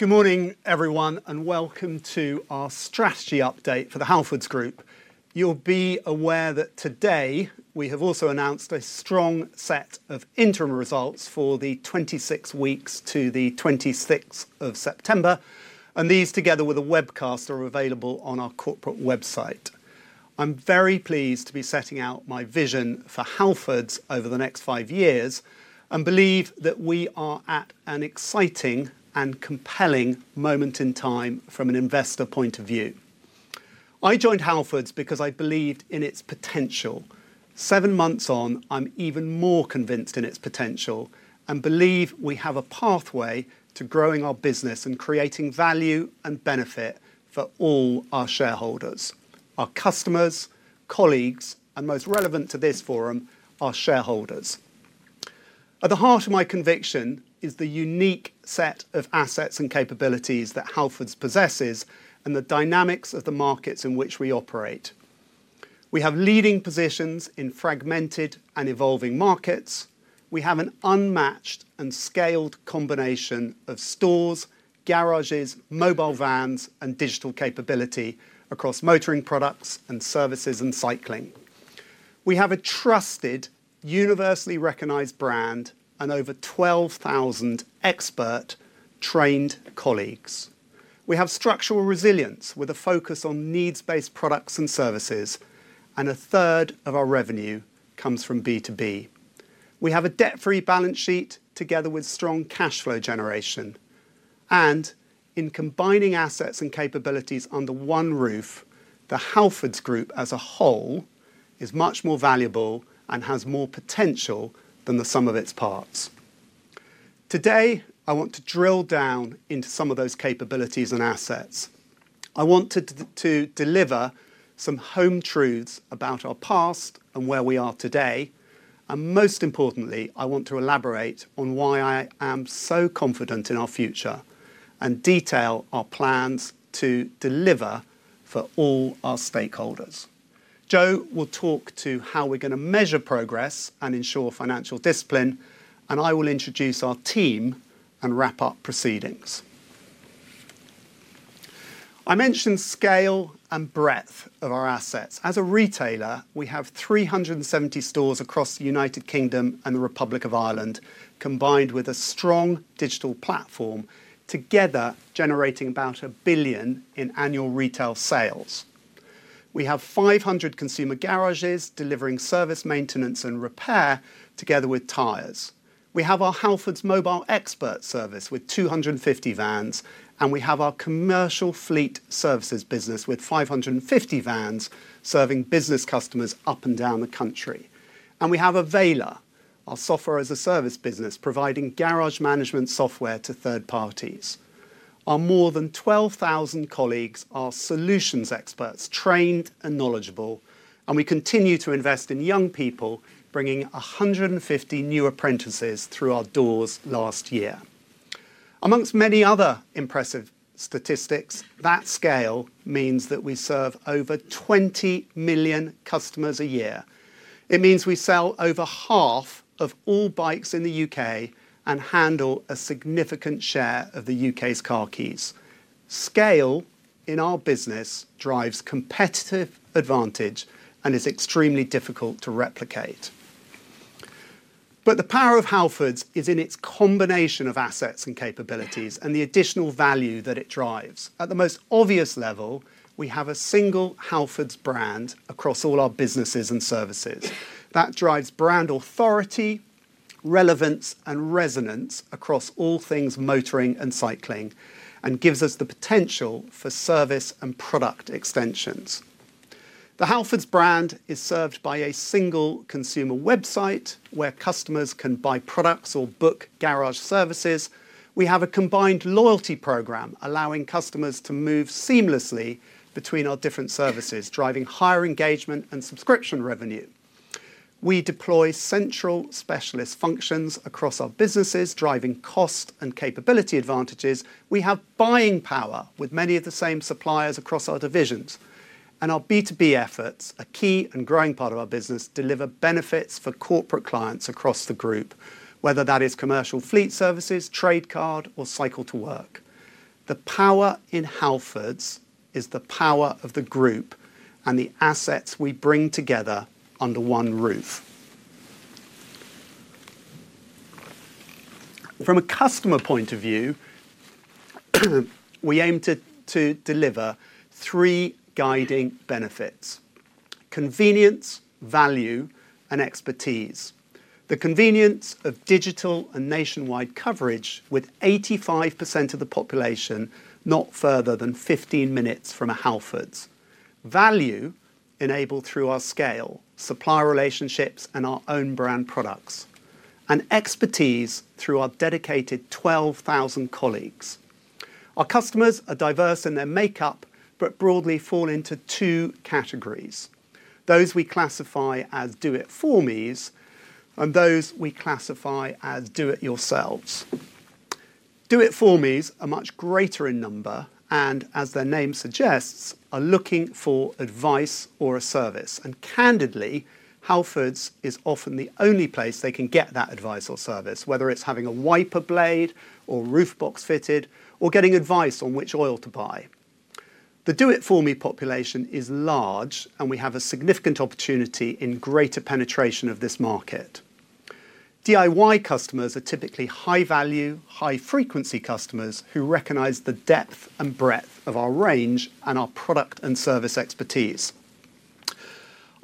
Good morning, everyone, and Welcome to our Strategy Update for the Halfords Group. You'll be aware that today we have also announced a strong set of interim results for the 26 weeks to the 26th of September, and these, together with a webcast, are available on our corporate website. I'm very pleased to be setting out my vision for Halfords over the next five years and believe that we are at an exciting and compelling moment in time from an investor point of view. I joined Halfords because I believed in its potential. Seven months on, I'm even more convinced in its potential and believe we have a pathway to growing our business and creating value and benefit for all our shareholders, our customers, colleagues, and most relevant to this forum, our shareholders. At the heart of my conviction is the unique set of assets and capabilities that Halfords possesses and the dynamics of the markets in which we operate. We have leading positions in fragmented and evolving markets. We have an unmatched and scaled combination of stores, garages, mobile vans, and digital capability across motoring products and services and cycling. We have a trusted, universally recognized brand and over 12,000 expert-trained colleagues. We have structural resilience with a focus on needs-based products and services, and a third of our revenue comes from B2B. We have a debt-free balance sheet together with strong cash flow generation. In combining assets and capabilities under one roof, the Halfords Group as a whole is much more valuable and has more potential than the sum of its parts. Today, I want to drill down into some of those capabilities and assets. I want to deliver some home truths about our past and where we are today. Most importantly, I want to elaborate on why I am so confident in our future and detail our plans to deliver for all our stakeholders. Jo will talk to how we're going to measure progress and ensure financial discipline, and I will introduce our team and wrap up proceedings. I mentioned scale and breadth of our assets. As a retailer, we have 370 stores across the U.K. and the Republic of Ireland, combined with a strong digital platform, together generating about 1 billion in annual retail sales. We have 500 consumer garages delivering service, maintenance, and repair together with tires. We have our Halfords Mobile Expert service with 250 vans, and we have our commercial fleet services business with 550 vans serving business customers up and down the country. We have Avayler, our software as a service business, providing garage management software to third parties. Our more than 12,000 colleagues are solutions experts, trained and knowledgeable, and we continue to invest in young people, bringing 150 new apprentices through our doors last year. Amongst many other impressive statistics, that scale means that we serve over 20 million customers a year. It means we sell over half of all bikes in the U.K. and handle a significant share of the U.K.'s car keys. Scale in our business drives competitive advantage and is extremely difficult to replicate. The power of Halfords is in its combination of assets and capabilities and the additional value that it drives. At the most obvious level, we have a single Halfords brand across all our businesses and services. That drives brand authority, relevance, and resonance across all things motoring and cycling, and gives us the potential for service and product extensions. The Halfords brand is served by a single consumer website where customers can buy products or book garage services. We have a combined loyalty program allowing customers to move seamlessly between our different services, driving higher engagement and subscription revenue. We deploy central specialist functions across our businesses, driving cost and capability advantages. We have buying power with many of the same suppliers across our divisions. Our B2B efforts, a key and growing part of our business, deliver benefits for corporate clients across the group, whether that is commercial fleet services, trade card, or cycle to work. The power in Halfords is the power of the group and the assets we bring together under one roof. From a customer point of view, we aim to deliver three guiding benefits: convenience, value, and expertise. The convenience of digital and nationwide coverage with 85% of the population not further than 15 minutes from a Halfords. Value enabled through our scale, supplier relationships, and our own brand products. Expertise through our dedicated 12,000 colleagues. Our customers are diverse in their makeup, but broadly fall into two categories: those we classify as do-it-for-me's and those we classify as do-it-yourselves. Do-it-for-me's are much greater in number and, as their name suggests, are looking for advice or a service. Candidly, Halfords is often the only place they can get that advice or service, whether it is having a wiper blade or roof box fitted or getting advice on which oil to buy. The do-it-for-me population is large, and we have a significant opportunity in greater penetration of this market. DIY customers are typically high-value, high-frequency customers who recognize the depth and breadth of our range and our product and service expertise.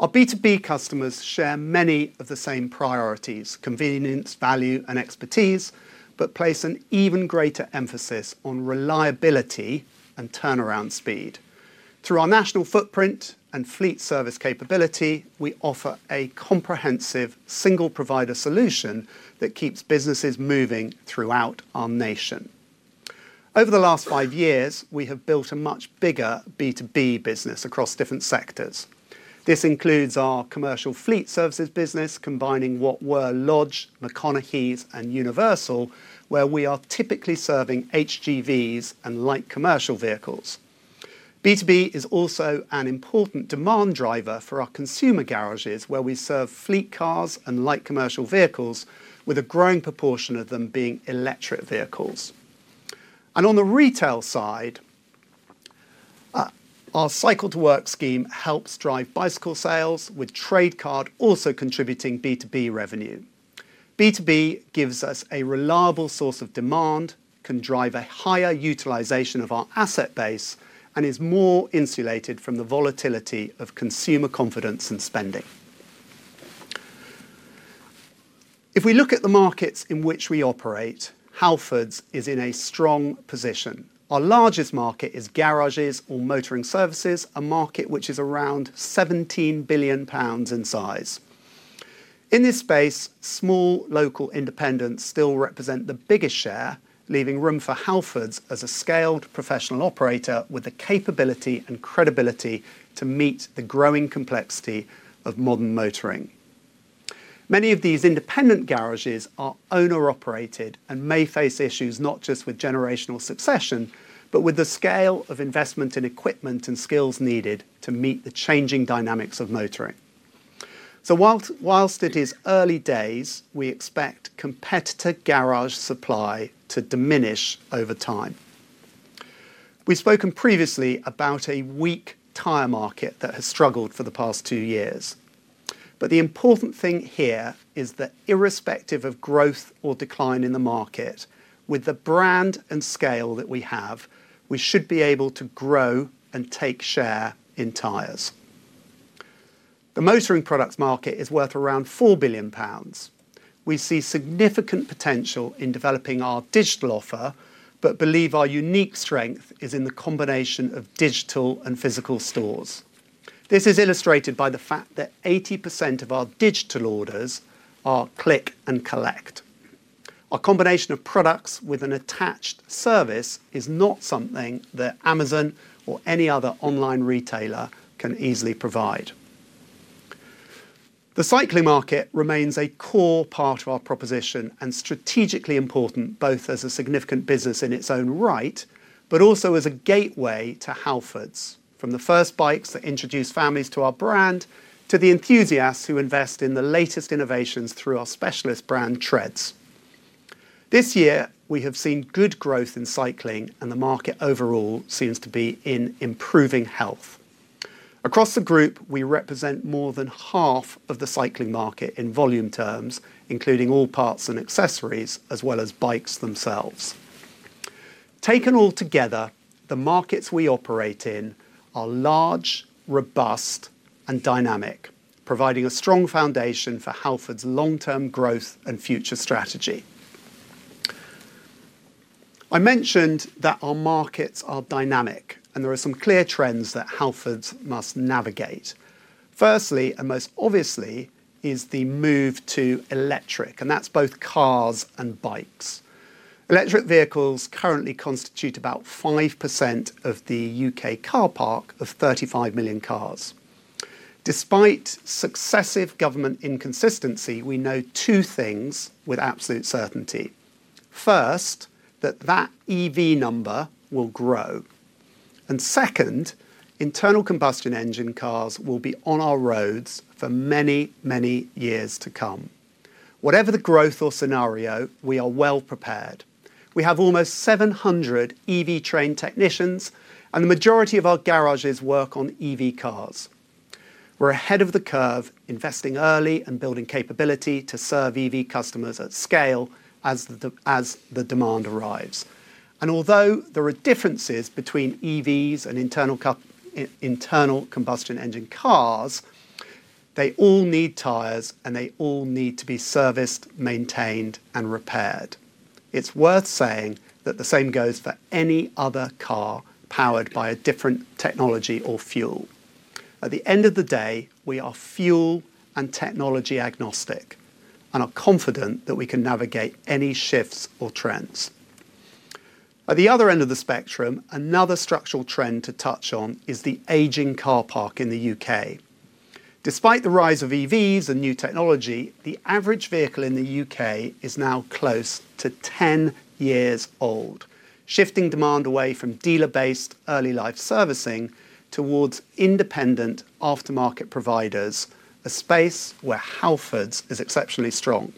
Our B2B customers share many of the same priorities: convenience, value, and expertise, but place an even greater emphasis on reliability and turnaround speed. Through our national footprint and fleet service capability, we offer a comprehensive single-provider solution that keeps businesses moving throughout our nation. Over the last five years, we have built a much bigger B2B business across different sectors. This includes our commercial fleet services business, combining what were Lodge, McConechys, and Universal, where we are typically serving HGVs and light commercial vehicles. B2B is also an important demand driver for our consumer garages, where we serve fleet cars and light commercial vehicles, with a growing proportion of them being electric vehicles. On the retail side, our cycle to work scheme helps drive bicycle sales, with trade card also contributing B2B revenue. B2B gives us a reliable source of demand, can drive a higher utilization of our asset base, and is more insulated from the volatility of consumer confidence and spending. If we look at the markets in which we operate, Halfords is in a strong position. Our largest market is garages or motoring services, a market which is around 17 billion pounds in size. In this space, small local independents still represent the biggest share, leaving room for Halfords as a scaled professional operator with the capability and credibility to meet the growing complexity of modern motoring. Many of these independent garages are owner-operated and may face issues not just with generational succession, but with the scale of investment in equipment and skills needed to meet the changing dynamics of motoring. Whilst it is early days, we expect competitor garage supply to diminish over time. We've spoken previously about a weak tire market that has struggled for the past two years. The important thing here is that irrespective of growth or decline in the market, with the brand and scale that we have, we should be able to grow and take share in tires. The motoring products market is worth around 4 billion pounds. We see significant potential in developing our digital offer, but believe our unique strength is in the combination of digital and physical stores. This is illustrated by the fact that 80% of our digital orders are click and collect. Our combination of products with an attached service is not something that Amazon or any other online retailer can easily provide. The cycling market remains a core part of our proposition and strategically important, both as a significant business in its own right, but also as a gateway to Halfords, from the first bikes that introduce families to our brand to the enthusiasts who invest in the latest innovations through our specialist brand Threads. This year, we have seen good growth in cycling, and the market overall seems to be in improving health. Across the group, we represent more than half of the cycling market in volume terms, including all parts and accessories, as well as bikes themselves. Taken all together, the markets we operate in are large, robust, and dynamic, providing a strong foundation for Halfords' long-term growth and future strategy. I mentioned that our markets are dynamic, and there are some clear trends that Halfords must navigate. Firstly, and most obviously, is the move to electric, and that's both cars and bikes. Electric vehicles currently constitute about 5% of the U.K. car park of 35 million cars. Despite successive government inconsistency, we know two things with absolute certainty. First, that that EV number will grow. Second, internal combustion engine cars will be on our roads for many, many years to come. Whatever the growth or scenario, we are well prepared. We have almost 700 EV-trained technicians, and the majority of our garages work on EV cars. We are ahead of the curve, investing early and building capability to serve EV customers at scale as the demand arrives. Although there are differences between EVs and internal combustion engine cars, they all need tires, and they all need to be serviced, maintained, and repaired. It's worth saying that the same goes for any other car powered by a different technology or fuel. At the end of the day, we are fuel and technology agnostic, and are confident that we can navigate any shifts or trends. At the other end of the spectrum, another structural trend to touch on is the aging car park in the U.K. Despite the rise of EVs and new technology, the average vehicle in the U.K. is now close to 10 years old, shifting demand away from dealer-based early life servicing towards independent aftermarket providers, a space where Halfords is exceptionally strong.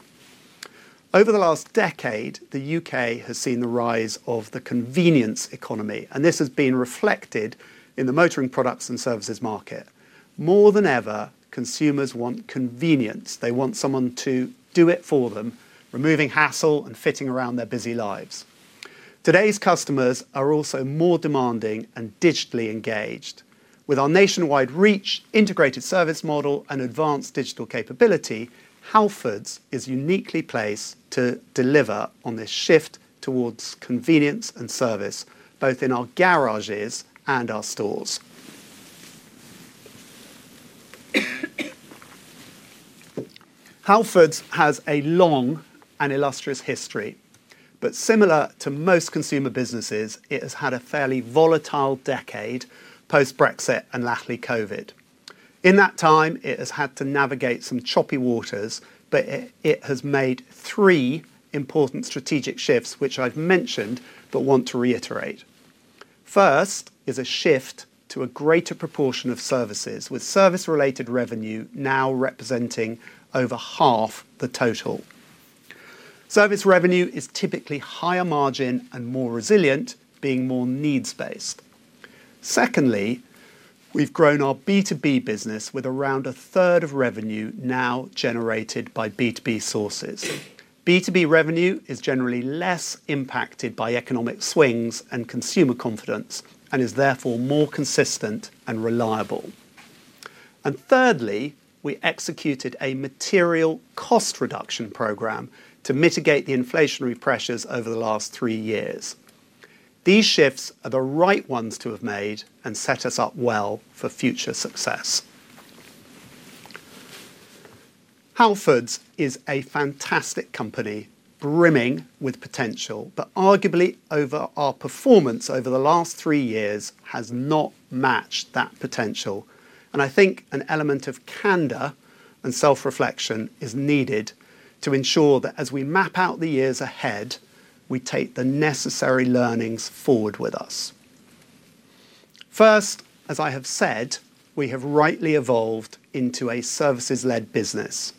Over the last decade, the U.K. has seen the rise of the convenience economy, and this has been reflected in the motoring products and services market. More than ever, consumers want convenience. They want someone to do it for them, removing hassle and fitting around their busy lives. Today's customers are also more demanding and digitally engaged. With our nationwide reach, integrated service model, and advanced digital capability, Halfords is uniquely placed to deliver on this shift towards convenience and service, both in our garages and our stores. Halfords has a long and illustrious history, but similar to most consumer businesses, it has had a fairly volatile decade post-Brexit and latterly COVID. In that time, it has had to navigate some choppy waters, but it has made three important strategic shifts which I've mentioned but want to reiterate. First is a shift to a greater proportion of services, with service-related revenue now representing over half the total. Service revenue is typically higher margin and more resilient, being more needs-based. Secondly, we've grown our B2B business with around a third of revenue now generated by B2B sources. B2B revenue is generally less impacted by economic swings and consumer confidence and is therefore more consistent and reliable. Thirdly, we executed a material cost reduction program to mitigate the inflationary pressures over the last three years. These shifts are the right ones to have made and set us up well for future success. Halfords is a fantastic company, brimming with potential, but arguably our performance over the last three years has not matched that potential. I think an element of candor and self-reflection is needed to ensure that as we map out the years ahead, we take the necessary learnings forward with us. First, as I have said, we have rightly evolved into a services-led business.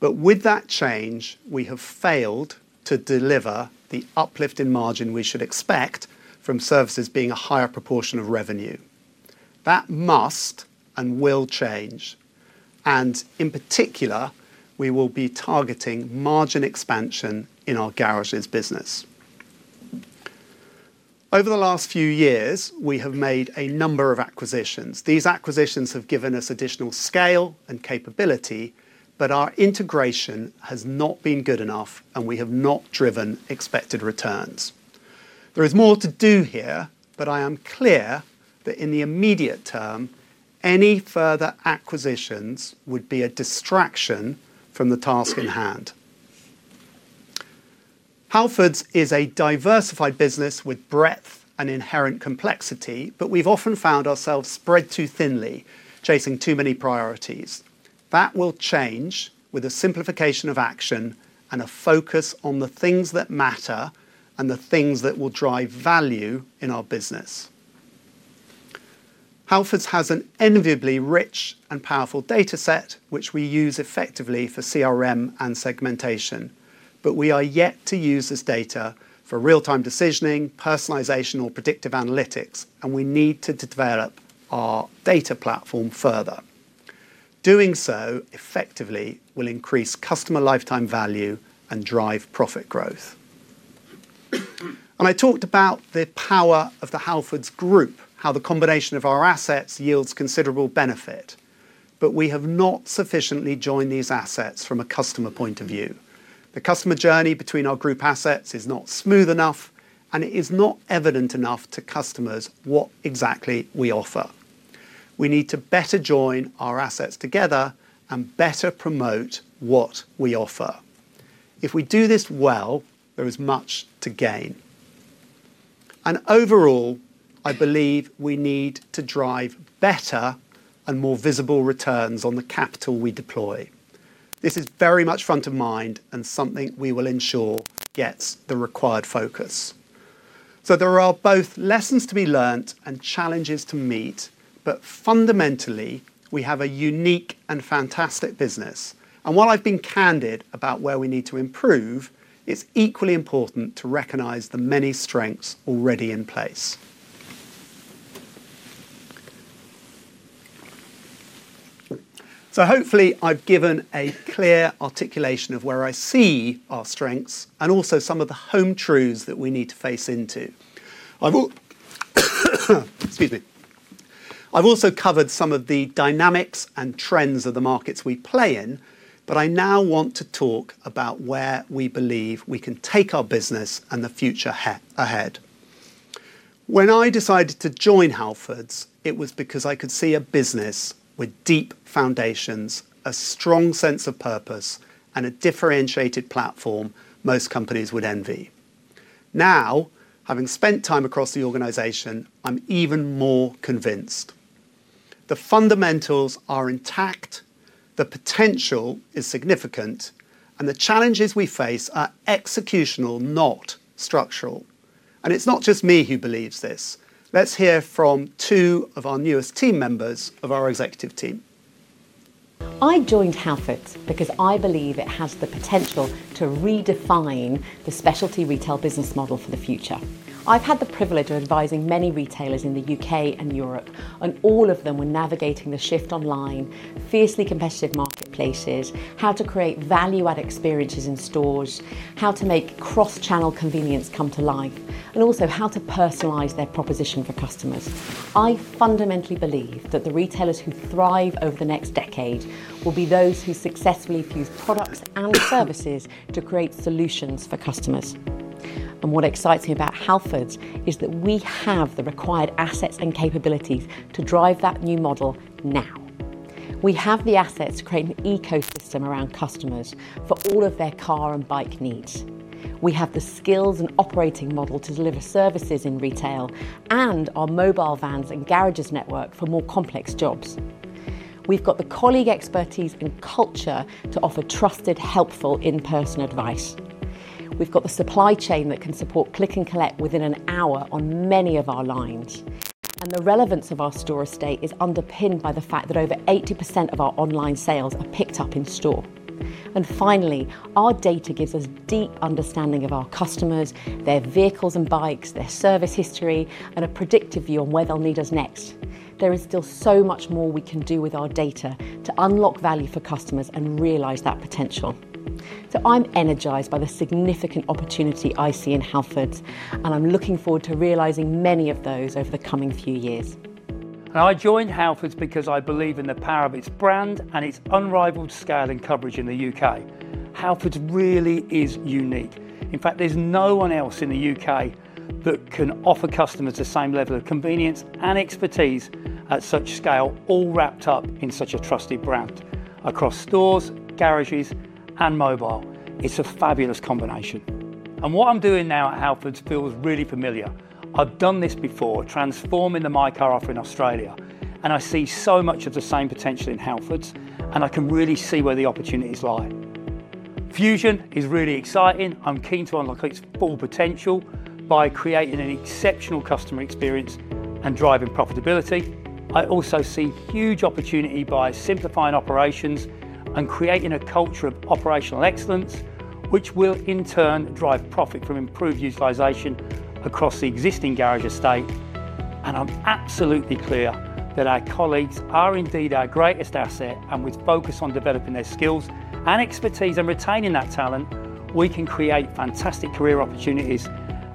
With that change, we have failed to deliver the uplift in margin we should expect from services being a higher proportion of revenue. That must and will change. In particular, we will be targeting margin expansion in our garages business. Over the last few years, we have made a number of acquisitions. These acquisitions have given us additional scale and capability, but our integration has not been good enough, and we have not driven expected returns. There is more to do here, but I am clear that in the immediate term, any further acquisitions would be a distraction from the task at hand. Halfords is a diversified business with breadth and inherent complexity, but we've often found ourselves spread too thinly, chasing too many priorities. That will change with a simplification of action and a focus on the things that matter and the things that will drive value in our business. Halfords has an enviably rich and powerful data set, which we use effectively for CRM and segmentation, but we are yet to use this data for real-time decisioning, personalization, or predictive analytics, and we need to develop our data platform further. Doing so effectively will increase customer lifetime value and drive profit growth. I talked about the power of the Halfords Group, how the combination of our assets yields considerable benefit, but we have not sufficiently joined these assets from a customer point of view. The customer journey between our group assets is not smooth enough, and it is not evident enough to customers what exactly we offer. We need to better join our assets together and better promote what we offer. If we do this well, there is much to gain. Overall, I believe we need to drive better and more visible returns on the capital we deploy. This is very much front of mind and something we will ensure gets the required focus. There are both lessons to be learned and challenges to meet, but fundamentally, we have a unique and fantastic business. While I've been candid about where we need to improve, it's equally important to recognize the many strengths already in place. Hopefully, I've given a clear articulation of where I see our strengths and also some of the home truths that we need to face into. Excuse me. I've also covered some of the dynamics and trends of the markets we play in, but I now want to talk about where we believe we can take our business and the future ahead. When I decided to join Halfords, it was because I could see a business with deep foundations, a strong sense of purpose, and a differentiated platform most companies would envy. Now, having spent time across the organization, I'm even more convinced. The fundamentals are intact, the potential is significant, and the challenges we face are executional, not structural. It's not just me who believes this. Let's hear from two of our newest team members of our executive team. I joined Halfords because I believe it has the potential to redefine the specialty retail business model for the future. I've had the privilege of advising many retailers in the U.K. and Europe, and all of them were navigating the shift online, fiercely competitive marketplaces, how to create value-add experiences in stores, how to make cross-channel convenience come to life, and also how to personalize their proposition for customers. I fundamentally believe that the retailers who thrive over the next decade will be those who successfully fuse products and services to create solutions for customers. What excites me about Halfords is that we have the required assets and capabilities to drive that new model now. We have the assets to create an ecosystem around customers for all of their car and bike needs. We have the skills and operating model to deliver services in retail and our mobile vans and garages network for more complex jobs. We have the colleague expertise and culture to offer trusted, helpful in-person advice. We have the supply chain that can support click and collect within an hour on many of our lines. The relevance of our store estate is underpinned by the fact that over 80% of our online sales are picked up in store. Finally, our data gives us a deep understanding of our customers, their vehicles and bikes, their service history, and a predictive view on where they'll need us next. There is still so much more we can do with our data to unlock value for customers and realize that potential. I'm energized by the significant opportunity I see in Halfords, and I'm looking forward to realizing many of those over the coming few years. I joined Halfords because I believe in the power of its brand and its unrivaled scale and coverage in the U.K. Halfords really is unique. In fact, there's no one else in the U.K. that can offer customers the same level of convenience and expertise at such scale, all wrapped up in such a trusty brand across stores, garages, and mobile. It's a fabulous combination. What I'm doing now at Halfords feels really familiar. I've done this before, transforming the mycar Tyre in Australia, and I see so much of the same potential in Halfords, and I can really see where the opportunities lie. Fusion is really exciting. I'm keen to unlock its full potential by creating an exceptional customer experience and driving profitability. I also see huge opportunity by simplifying operations and creating a culture of operational excellence, which will in turn drive profit from improved utilization across the existing garage estate. I'm absolutely clear that our colleagues are indeed our greatest asset, and with focus on developing their skills and expertise and retaining that talent, we can create fantastic career opportunities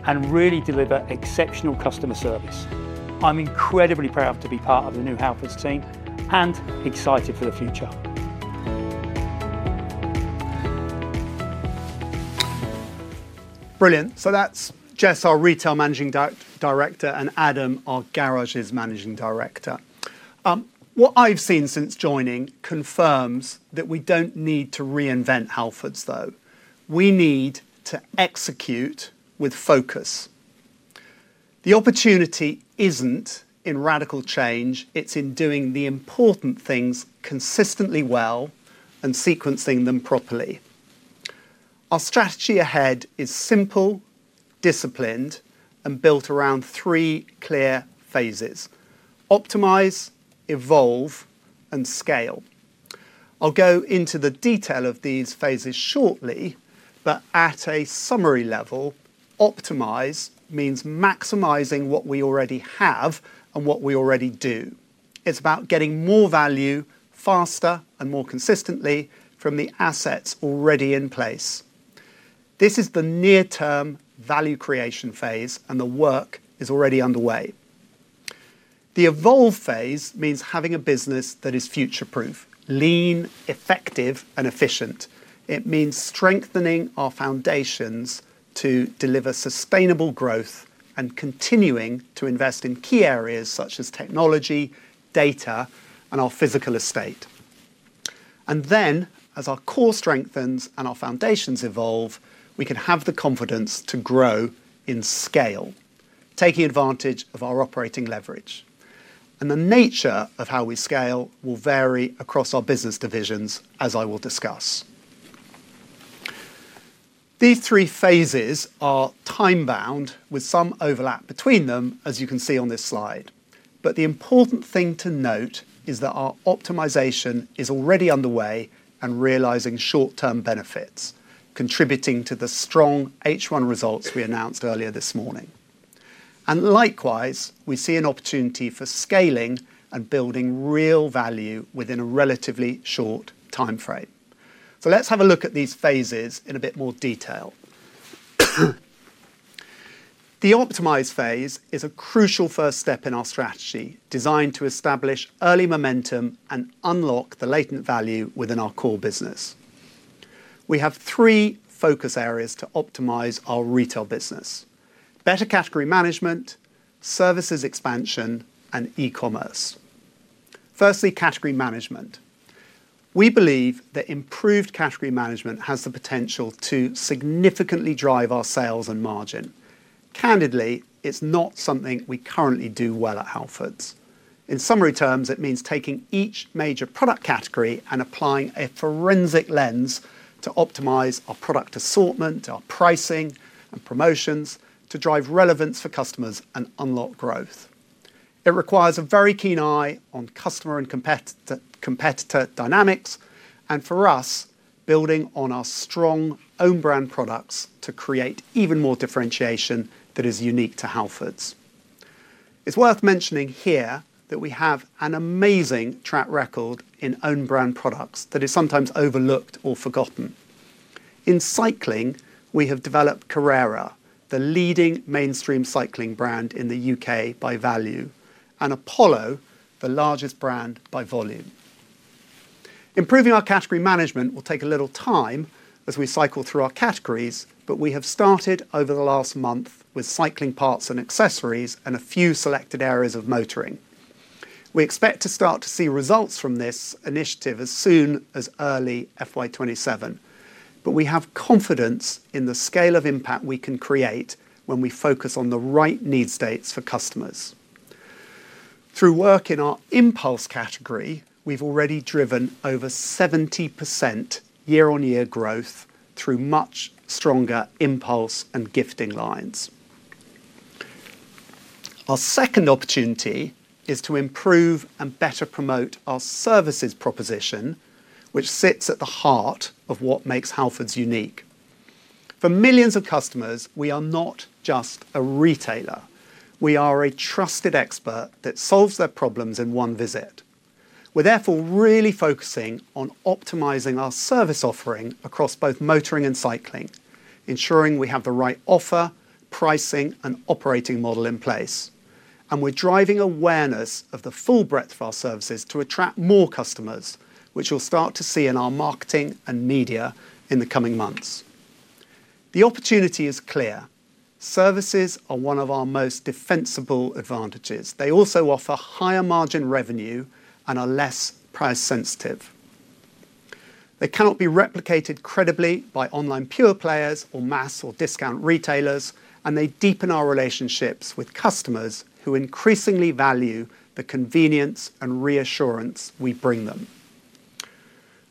and really deliver exceptional customer service. I'm incredibly proud to be part of the new Halfords team and excited for the future. Brilliant. That's Jess, our Retail Managing Director, and Adam, our Garages Managing Director. What I've seen since joining confirms that we don't need to reinvent Halfords, though. We need to execute with focus. The opportunity isn't in radical change; it's in doing the important things consistently well and sequencing them properly. Our strategy ahead is simple, disciplined, and built around three clear phases: optimize, evolve, and scale. I'll go into the detail of these phases shortly, but at a summary level, optimize means maximizing what we already have and what we already do. It's about getting more value faster and more consistently from the assets already in place. This is the near-term value creation phase, and the work is already underway. The evolve phase means having a business that is future-proof, lean, effective, and efficient. It means strengthening our foundations to deliver sustainable growth and continuing to invest in key areas such as technology, data, and our physical estate. As our core strengthens and our foundations evolve, we can have the confidence to grow in scale, taking advantage of our operating leverage. The nature of how we scale will vary across our business divisions, as I will discuss. These three phases are time-bound, with some overlap between them, as you can see on this slide. The important thing to note is that our optimization is already underway and realizing short-term benefits, contributing to the strong H1 results we announced earlier this morning. Likewise, we see an opportunity for scaling and building real value within a relatively short time frame. Let's have a look at these phases in a bit more detail. The optimize phase is a crucial first step in our strategy, designed to establish early momentum and unlock the latent value within our core business. We have three focus areas to optimize our retail business: better category management, services expansion, and e-commerce. Firstly, category management. We believe that improved category management has the potential to significantly drive our sales and margin. Candidly, it's not something we currently do well at Halfords. In summary terms, it means taking each major product category and applying a forensic lens to optimize our product assortment, our pricing, and promotions to drive relevance for customers and unlock growth. It requires a very keen eye on customer and competitor dynamics, and for us, building on our strong own-brand products to create even more differentiation that is unique to Halfords. It's worth mentioning here that we have an amazing track record in own-brand products that is sometimes overlooked or forgotten. In cycling, we have developed Carrera, the leading mainstream cycling brand in the U.K. by value, and Apollo, the largest brand by volume. Improving our category management will take a little time as we cycle through our categories, but we have started over the last month with cycling parts and accessories and a few selected areas of motoring. We expect to start to see results from this initiative as soon as early FY 2027, but we have confidence in the scale of impact we can create when we focus on the right needs states for customers. Through work in our impulse category, we've already driven over 70% year-on-year growth through much stronger impulse and gifting lines. Our second opportunity is to improve and better promote our services proposition, which sits at the heart of what makes Halfords unique. For millions of customers, we are not just a retailer. We are a trusted expert that solves their problems in one visit. We are therefore really focusing on optimizing our service offering across both motoring and cycling, ensuring we have the right offer, pricing, and operating model in place. We are driving awareness of the full breadth of our services to attract more customers, which we will start to see in our marketing and media in the coming months. The opportunity is clear. Services are one of our most defensible advantages. They also offer higher margin revenue and are less price-sensitive. They cannot be replicated credibly by online pure players or mass or discount retailers, and they deepen our relationships with customers who increasingly value the convenience and reassurance we bring them.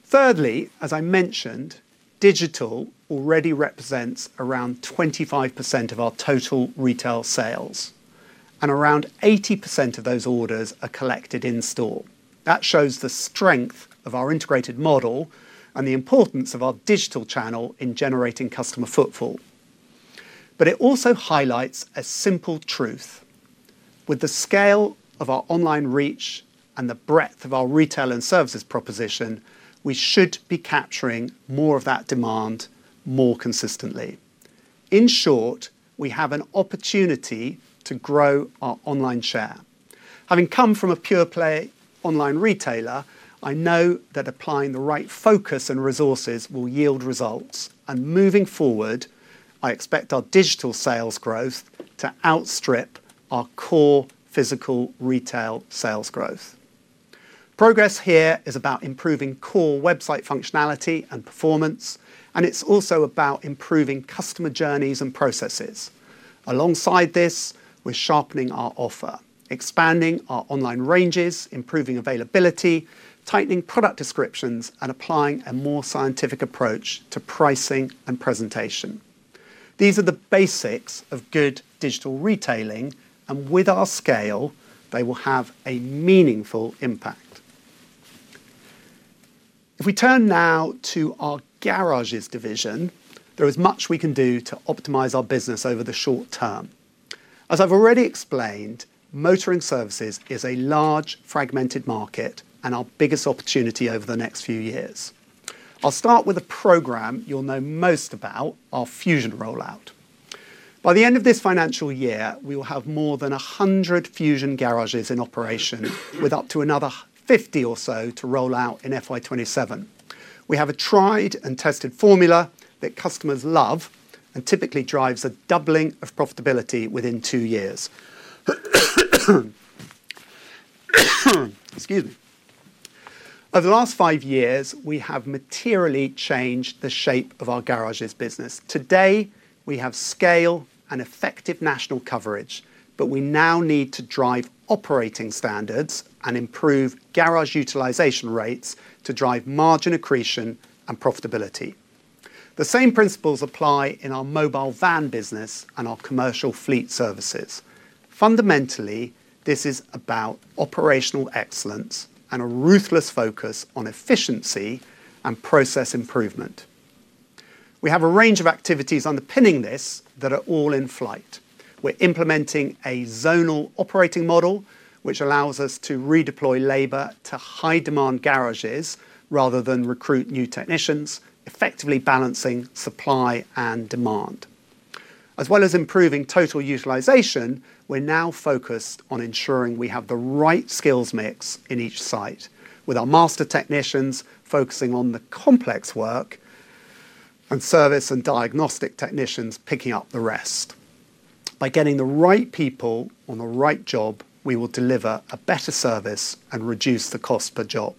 Thirdly, as I mentioned, digital already represents around 25% of our total retail sales, and around 80% of those orders are collected in store. That shows the strength of our integrated model and the importance of our digital channel in generating customer footfall. It also highlights a simple truth. With the scale of our online reach and the breadth of our retail and services proposition, we should be capturing more of that demand more consistently. In short, we have an opportunity to grow our online share. Having come from a pure-play online retailer, I know that applying the right focus and resources will yield results. Moving forward, I expect our digital sales growth to outstrip our core physical retail sales growth. Progress here is about improving core website functionality and performance, and it is also about improving customer journeys and processes. Alongside this, we are sharpening our offer, expanding our online ranges, improving availability, tightening product descriptions, and applying a more scientific approach to pricing and presentation. These are the basics of good digital retailing, and with our scale, they will have a meaningful impact. If we turn now to our garages division, there is much we can do to optimize our business over the short term. As I have already explained, motoring services is a large, fragmented market and our biggest opportunity over the next few years. I will start with a program you will know most about, our Fusion rollout. By the end of this financial year, we will have more than 100 Fusion garages in operation, with up to another 50 or so to roll out in FY 2027. We have a tried-and-tested formula that customers love and typically drives a doubling of profitability within two years. Excuse me. Over the last five years, we have materially changed the shape of our garages business. Today, we have scale and effective national coverage, but we now need to drive operating standards and improve garage utilization rates to drive margin accretion and profitability. The same principles apply in our mobile van business and our commercial fleet services. Fundamentally, this is about operational excellence and a ruthless focus on efficiency and process improvement. We have a range of activities underpinning this that are all in flight. We're implementing a zonal operating model, which allows us to redeploy labor to high-demand garages rather than recruit new technicians, effectively balancing supply and demand. As well as improving total utilization, we're now focused on ensuring we have the right skills mix in each site, with our master technicians focusing on the complex work and service and diagnostic technicians picking up the rest. By getting the right people on the right job, we will deliver a better service and reduce the cost per job.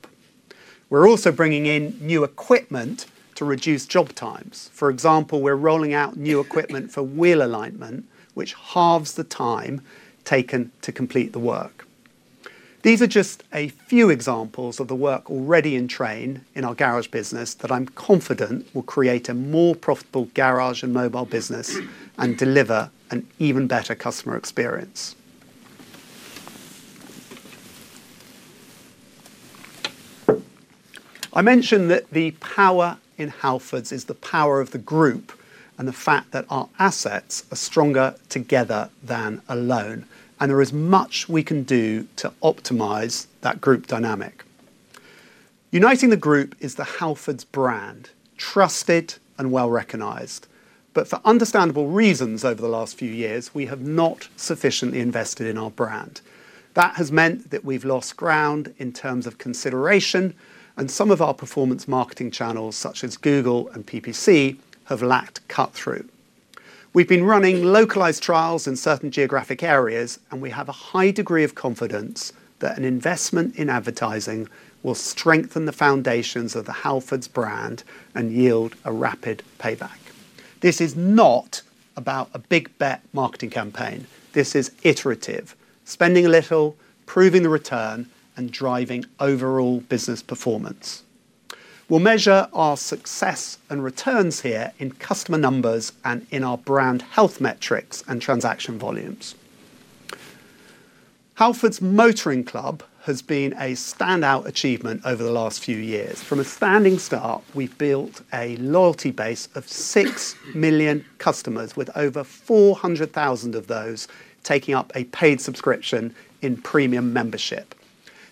We're also bringing in new equipment to reduce job times. For example, we're rolling out new equipment for wheel alignment, which halves the time taken to complete the work. These are just a few examples of the work already in train in our garage business that I'm confident will create a more profitable garage and mobile business and deliver an even better customer experience. I mentioned that the power in Halfords is the power of the group and the fact that our assets are stronger together than alone, and there is much we can do to optimize that group dynamic. Uniting the group is the Halfords brand, trusted and well-recognized. For understandable reasons, over the last few years, we have not sufficiently invested in our brand. That has meant that we've lost ground in terms of consideration, and some of our performance marketing channels, such as Google and PPC, have lacked cut-through. We've been running localized trials in certain geographic areas, and we have a high degree of confidence that an investment in advertising will strengthen the foundations of the Halfords brand and yield a rapid payback. This is not about a big bet marketing campaign. This is iterative: spending a little, proving the return, and driving overall business performance. We'll measure our success and returns here in customer numbers and in our brand health metrics and transaction volumes. Halfords Motoring Club has been a standout achievement over the last few years. From a standing start, we've built a loyalty base of 6 million customers, with over 400,000 of those taking up a paid subscription in premium membership.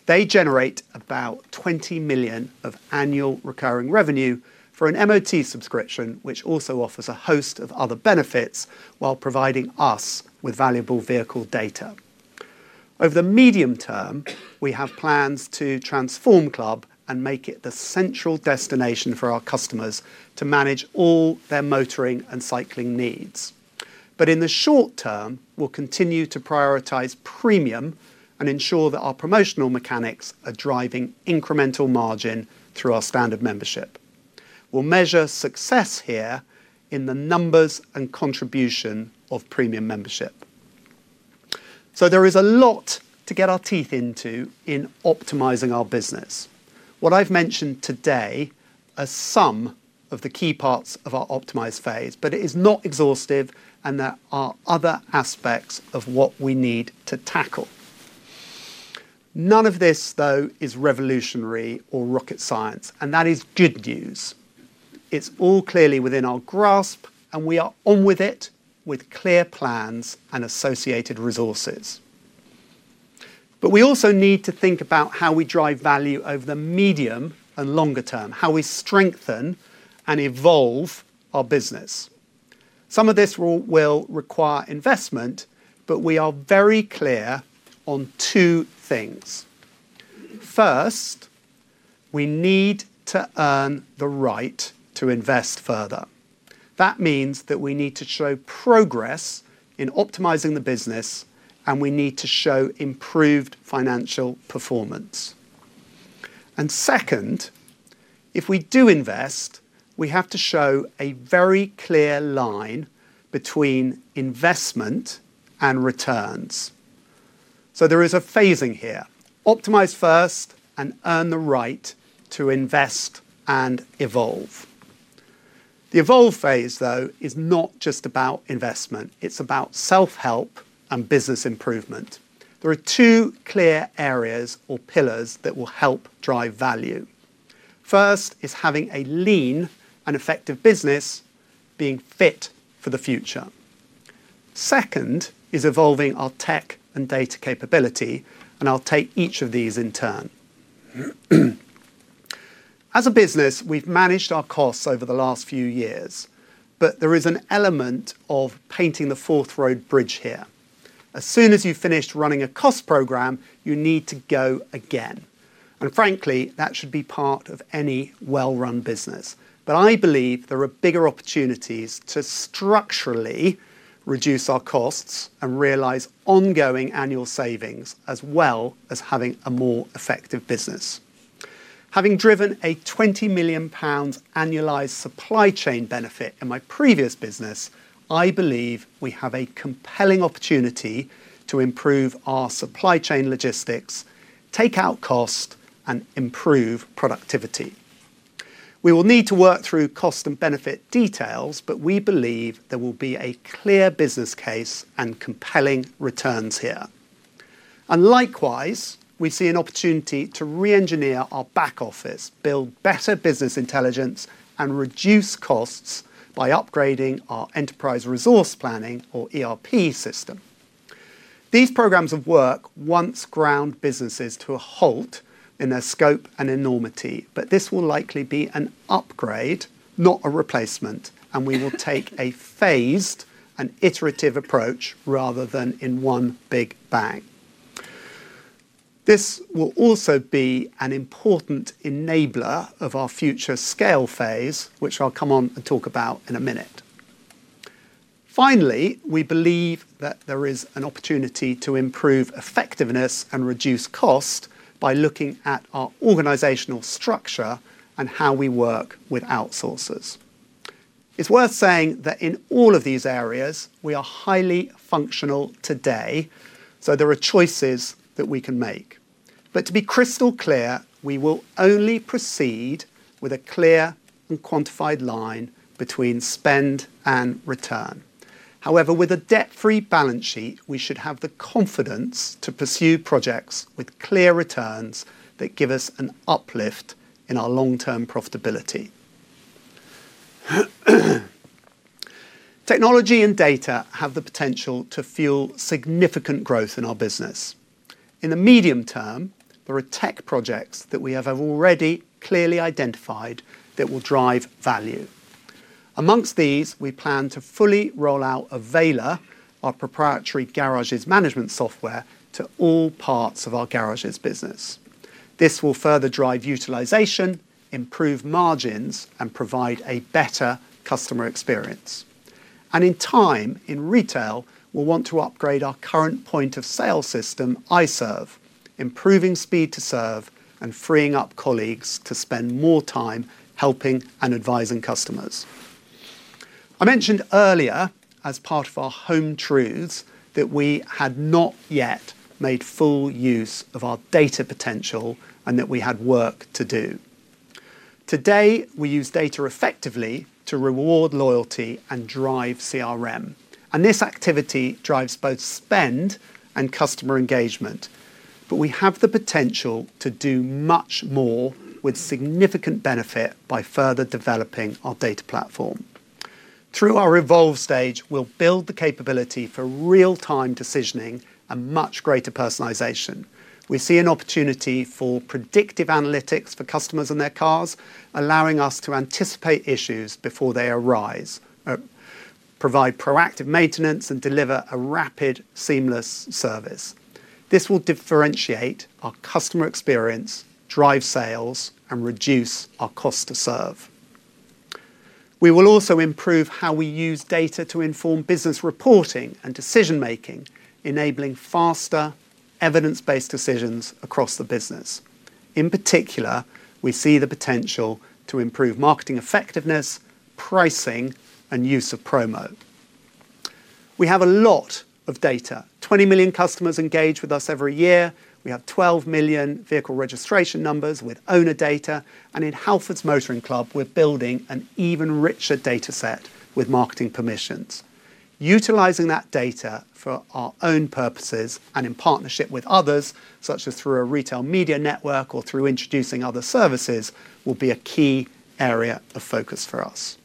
They generate about 20 million of annual recurring revenue for an MOT subscription, which also offers a host of other benefits while providing us with valuable vehicle data. Over the medium term, we have plans to transform Club and make it the central destination for our customers to manage all their motoring and cycling needs. In the short term, we'll continue to prioritize premium and ensure that our promotional mechanics are driving incremental margin through our standard membership. We'll measure success here in the numbers and contribution of premium membership. There is a lot to get our teeth into in optimizing our business. What I've mentioned today are some of the key parts of our optimized phase, but it is not exhaustive, and there are other aspects of what we need to tackle. None of this, though, is revolutionary or rocket science, and that is good news. It's all clearly within our grasp, and we are on with it with clear plans and associated resources. We also need to think about how we drive value over the medium and longer term, how we strengthen and evolve our business. Some of this will require investment, but we are very clear on two things. First, we need to earn the right to invest further. That means that we need to show progress in optimizing the business, and we need to show improved financial performance. If we do invest, we have to show a very clear line between investment and returns. There is a phasing here: optimize first and earn the right to invest and evolve. The evolve phase, though, is not just about investment. It is about self-help and business improvement. There are two clear areas or pillars that will help drive value. First is having a lean and effective business being fit for the future. Second is evolving our tech and data capability, and I will take each of these in turn. As a business, we have managed our costs over the last few years, but there is an element of painting the fourth road bridge here. As soon as you have finished running a cost program, you need to go again. Frankly, that should be part of any well-run business. I believe there are bigger opportunities to structurally reduce our costs and realize ongoing annual savings as well as having a more effective business. Having driven a 20 million pound annualized supply chain benefit in my previous business, I believe we have a compelling opportunity to improve our supply chain logistics, take out costs, and improve productivity. We will need to work through cost and benefit details, but we believe there will be a clear business case and compelling returns here. Likewise, we see an opportunity to re-engineer our back office, build better business intelligence, and reduce costs by upgrading our enterprise resource planning, or ERP, system. These programs of work once ground businesses to a halt in their scope and enormity, but this will likely be an upgrade, not a replacement, and we will take a phased and iterative approach rather than in one big bang. This will also be an important enabler of our future scale phase, which I'll come on and talk about in a minute. Finally, we believe that there is an opportunity to improve effectiveness and reduce cost by looking at our organizational structure and how we work with outsourcers. It's worth saying that in all of these areas, we are highly functional today, so there are choices that we can make. To be crystal clear, we will only proceed with a clear and quantified line between spend and return. However, with a debt-free balance sheet, we should have the confidence to pursue projects with clear returns that give us an uplift in our long-term profitability. Technology and data have the potential to fuel significant growth in our business. In the medium term, there are tech projects that we have already clearly identified that will drive value. Amongst these, we plan to fully roll out Avayler, our proprietary garages management software, to all parts of our garages business. This will further drive utilization, improve margins, and provide a better customer experience. In time, in retail, we'll want to upgrade our current point of sale system, iServe, improving speed to serve and freeing up colleagues to spend more time helping and advising customers. I mentioned earlier, as part of our home truths, that we had not yet made full use of our data potential and that we had work to do. Today, we use data effectively to reward loyalty and drive CRM. This activity drives both spend and customer engagement. We have the potential to do much more with significant benefit by further developing our data platform. Through our evolve stage, we'll build the capability for real-time decisioning and much greater personalization. We see an opportunity for predictive analytics for customers and their cars, allowing us to anticipate issues before they arise, provide proactive maintenance, and deliver a rapid, seamless service. This will differentiate our customer experience, drive sales, and reduce our cost to serve. We will also improve how we use data to inform business reporting and decision-making, enabling faster, evidence-based decisions across the business. In particular, we see the potential to improve marketing effectiveness, pricing, and use of promo. We have a lot of data. 20 million customers engage with us every year. We have 12 million vehicle registration numbers with owner data. In Halfords Motoring Club, we are building an even richer data set with marketing permissions. Utilizing that data for our own purposes and in partnership with others, such as through a retail media network or through introducing other services, will be a key area of focus for us.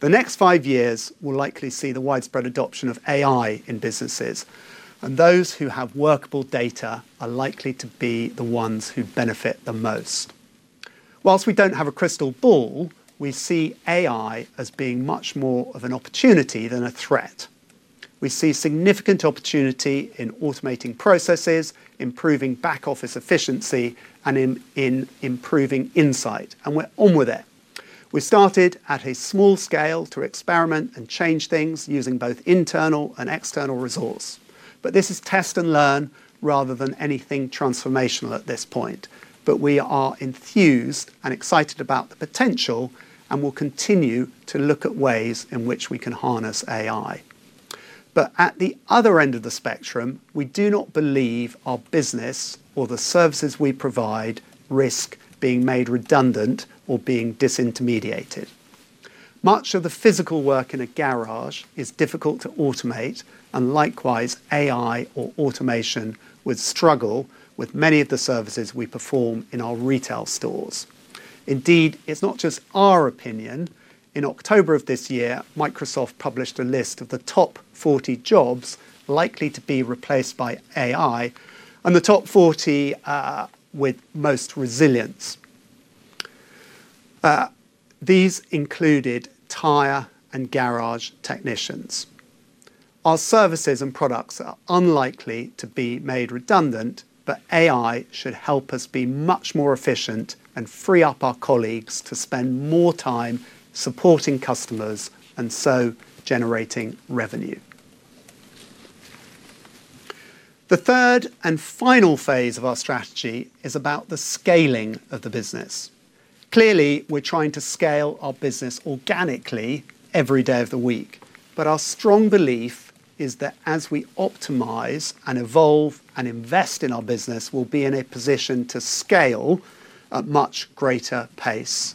The next five years will likely see the widespread adoption of AI in businesses, and those who have workable data are likely to be the ones who benefit the most. Whilst we don't have a crystal ball, we see AI as being much more of an opportunity than a threat. We see significant opportunity in automating processes, improving back office efficiency, and in improving insight. We're on with it. We started at a small scale to experiment and change things using both internal and external resource. This is test and learn rather than anything transformational at this point. We are enthused and excited about the potential and will continue to look at ways in which we can harness AI. At the other end of the spectrum, we do not believe our business or the services we provide risk being made redundant or being disintermediated. Much of the physical work in a garage is difficult to automate, and likewise, AI or automation would struggle with many of the services we perform in our retail stores. Indeed, it is not just our opinion. In October of this year, Microsoft published a list of the top 40 jobs likely to be replaced by AI and the top 40 with most resilience. These included tire and garage technicians. Our services and products are unlikely to be made redundant, but AI should help us be much more efficient and free up our colleagues to spend more time supporting customers and so generating revenue. The third and final phase of our strategy is about the scaling of the business. Clearly, we are trying to scale our business organically every day of the week. Our strong belief is that as we optimize and evolve and invest in our business, we will be in a position to scale at much greater pace.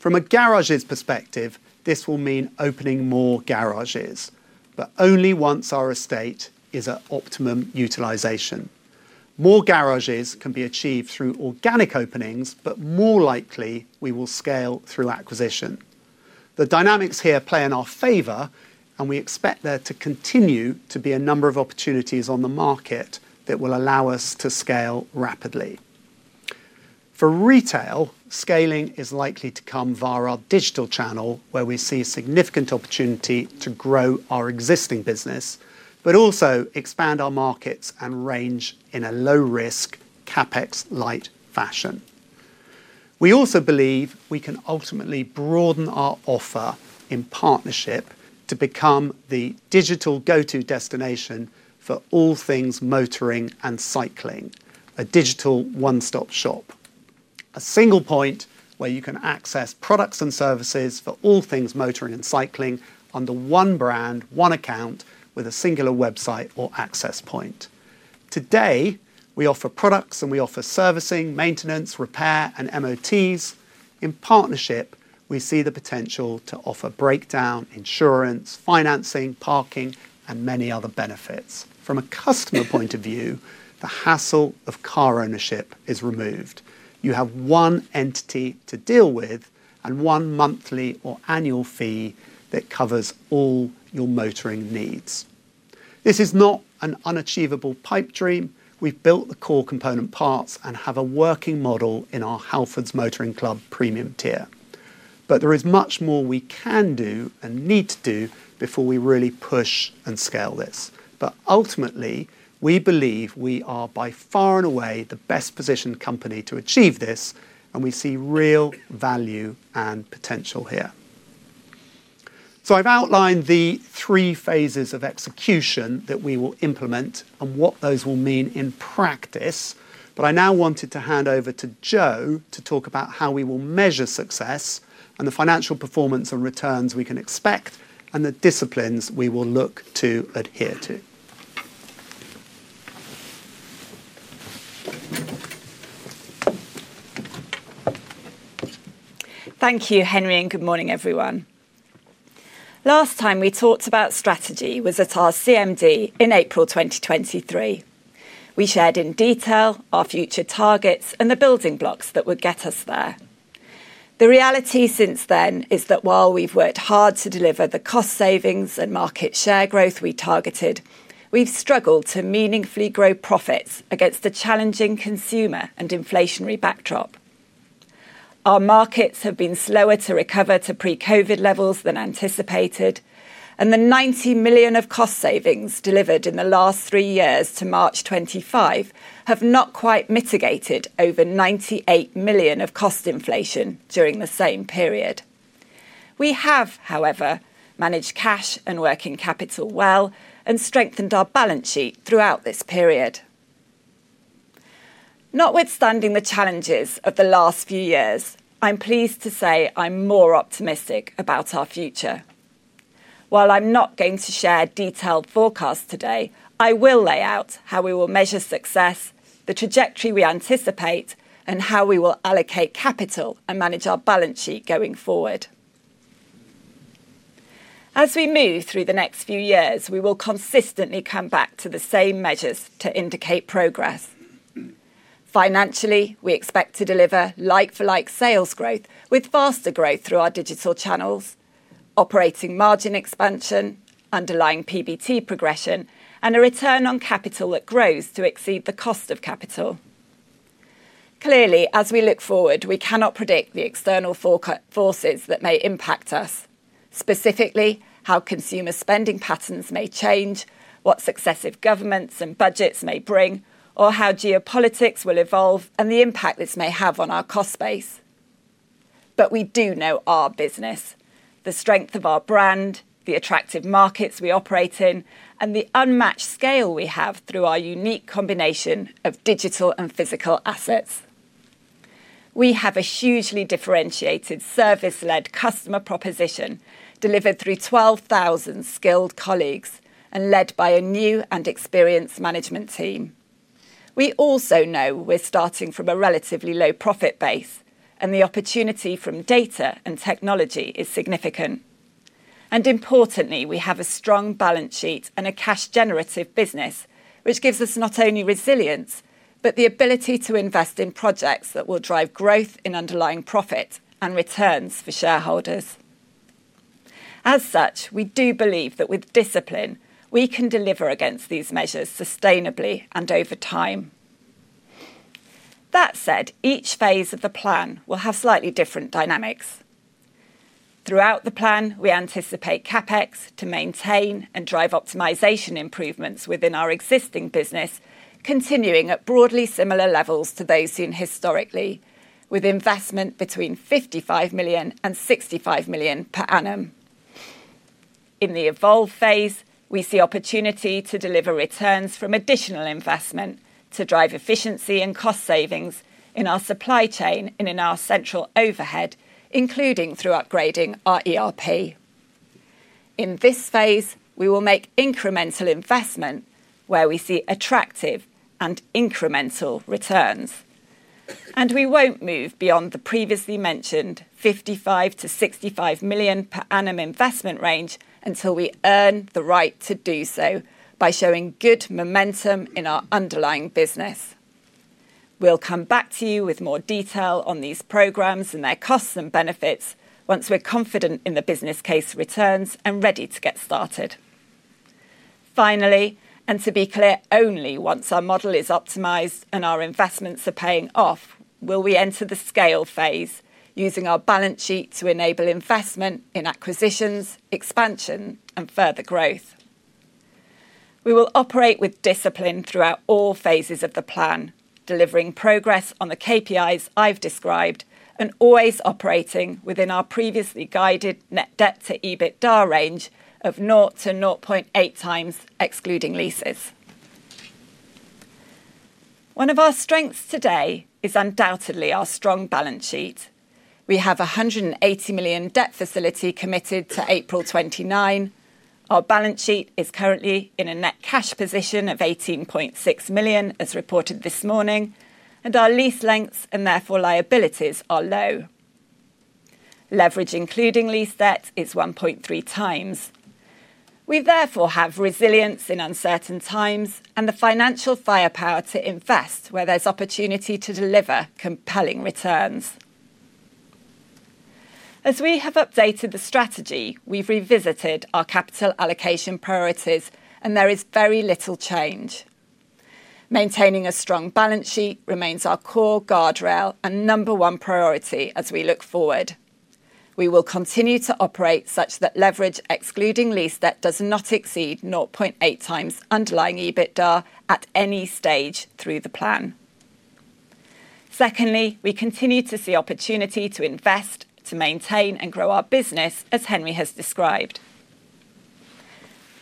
From a garages perspective, this will mean opening more garages, but only once our estate is at optimum utilization. More garages can be achieved through organic openings, but more likely, we will scale through acquisition. The dynamics here play in our favor, and we expect there to continue to be a number of opportunities on the market that will allow us to scale rapidly. For retail, scaling is likely to come via our digital channel, where we see a significant opportunity to grow our existing business, but also expand our markets and range in a low-risk, CapEx-light fashion. We also believe we can ultimately broaden our offer in partnership to become the digital go-to destination for all things motoring and cycling, a digital one-stop shop, a single point where you can access products and services for all things motoring and cycling under one brand, one account, with a singular website or access point. Today, we offer products and we offer servicing, maintenance, repair, and MOTs. In partnership, we see the potential to offer breakdown, insurance, financing, parking, and many other benefits. From a customer point of view, the hassle of car ownership is removed. You have one entity to deal with and one monthly or annual fee that covers all your motoring needs. This is not an unachievable pipe dream. We've built the core component parts and have a working model in our Halfords Motoring Club premium tier. There is much more we can do and need to do before we really push and scale this. Ultimately, we believe we are by far and away the best-positioned company to achieve this, and we see real value and potential here. I've outlined the three phases of execution that we will implement and what those will mean in practice. I now wanted to hand over to Jo to talk about how we will measure success and the financial performance and returns we can expect and the disciplines we will look to adhere to. Thank you, Henry, and good morning, everyone. Last time, we talked about strategy with Zata's CMD in April 2023. We shared in detail our future targets and the building blocks that would get us there. The reality since then is that while we've worked hard to deliver the cost savings and market share growth we targeted, we've struggled to meaningfully grow profits against a challenging consumer and inflationary backdrop. Our markets have been slower to recover to pre-COVID levels than anticipated, and the 90 million of cost savings delivered in the last three years to March 2025 have not quite mitigated over 98 million of cost inflation during the same period. We have, however, managed cash and working capital well and strengthened our balance sheet throughout this period. Notwithstanding the challenges of the last few years, I'm pleased to say I'm more optimistic about our future. While I'm not going to share detailed forecasts today, I will lay out how we will measure success, the trajectory we anticipate, and how we will allocate capital and manage our balance sheet going forward. As we move through the next few years, we will consistently come back to the same measures to indicate progress. Financially, we expect to deliver like-for-like sales growth with faster growth through our digital channels, operating margin expansion, underlying PBT progression, and a return on capital that grows to exceed the cost of capital. Clearly, as we look forward, we cannot predict the external forces that may impact us, specifically how consumer spending patterns may change, what successive governments and budgets may bring, or how geopolitics will evolve and the impact this may have on our cost base. We do know our business, the strength of our brand, the attractive markets we operate in, and the unmatched scale we have through our unique combination of digital and physical assets. We have a hugely differentiated service-led customer proposition delivered through 12,000 skilled colleagues and led by a new and experienced management team. We also know we're starting from a relatively low profit base, and the opportunity from data and technology is significant. Importantly, we have a strong balance sheet and a cash-generative business, which gives us not only resilience, but the ability to invest in projects that will drive growth in underlying profit and returns for shareholders. As such, we do believe that with discipline, we can deliver against these measures sustainably and over time. That said, each phase of the plan will have slightly different dynamics. Throughout the plan, we anticipate CapEx to maintain and drive optimization improvements within our existing business, continuing at broadly similar levels to those seen historically, with investment between 55 million and 65 million per annum. In the evolve phase, we see opportunity to deliver returns from additional investment to drive efficiency and cost savings in our supply chain and in our central overhead, including through upgrading our ERP. In this phase, we will make incremental investment where we see attractive and incremental returns. We will not move beyond the previously mentioned 55 million-65 million per annum investment range until we earn the right to do so by showing good momentum in our underlying business. We will come back to you with more detail on these programs and their costs and benefits once we are confident in the business case returns and ready to get started. Finally, and to be clear, only once our model is optimized and our investments are paying off, will we enter the scale phase using our balance sheet to enable investment in acquisitions, expansion, and further growth. We will operate with discipline throughout all phases of the plan, delivering progress on the KPIs I have described and always operating within our previously guided net debt to EBITDA range of 0-0.8 times excluding leases. One of our strengths today is undoubtedly our strong balance sheet. We have a 180 million debt facility committed to April 2029. Our balance sheet is currently in a net cash position of 18.6 million, as reported this morning, and our lease lengths and therefore liabilities are low. Leverage, including lease debt, is 1.3x. We therefore have resilience in uncertain times and the financial firepower to invest where there is opportunity to deliver compelling returns. As we have updated the strategy, we've revisited our capital allocation priorities, and there is very little change. Maintaining a strong balance sheet remains our core guardrail and number one priority as we look forward. We will continue to operate such that leverage, excluding lease debt, does not exceed 0.8x underlying EBITDA at any stage through the plan. Secondly, we continue to see opportunity to invest, to maintain and grow our business, as Henry has described.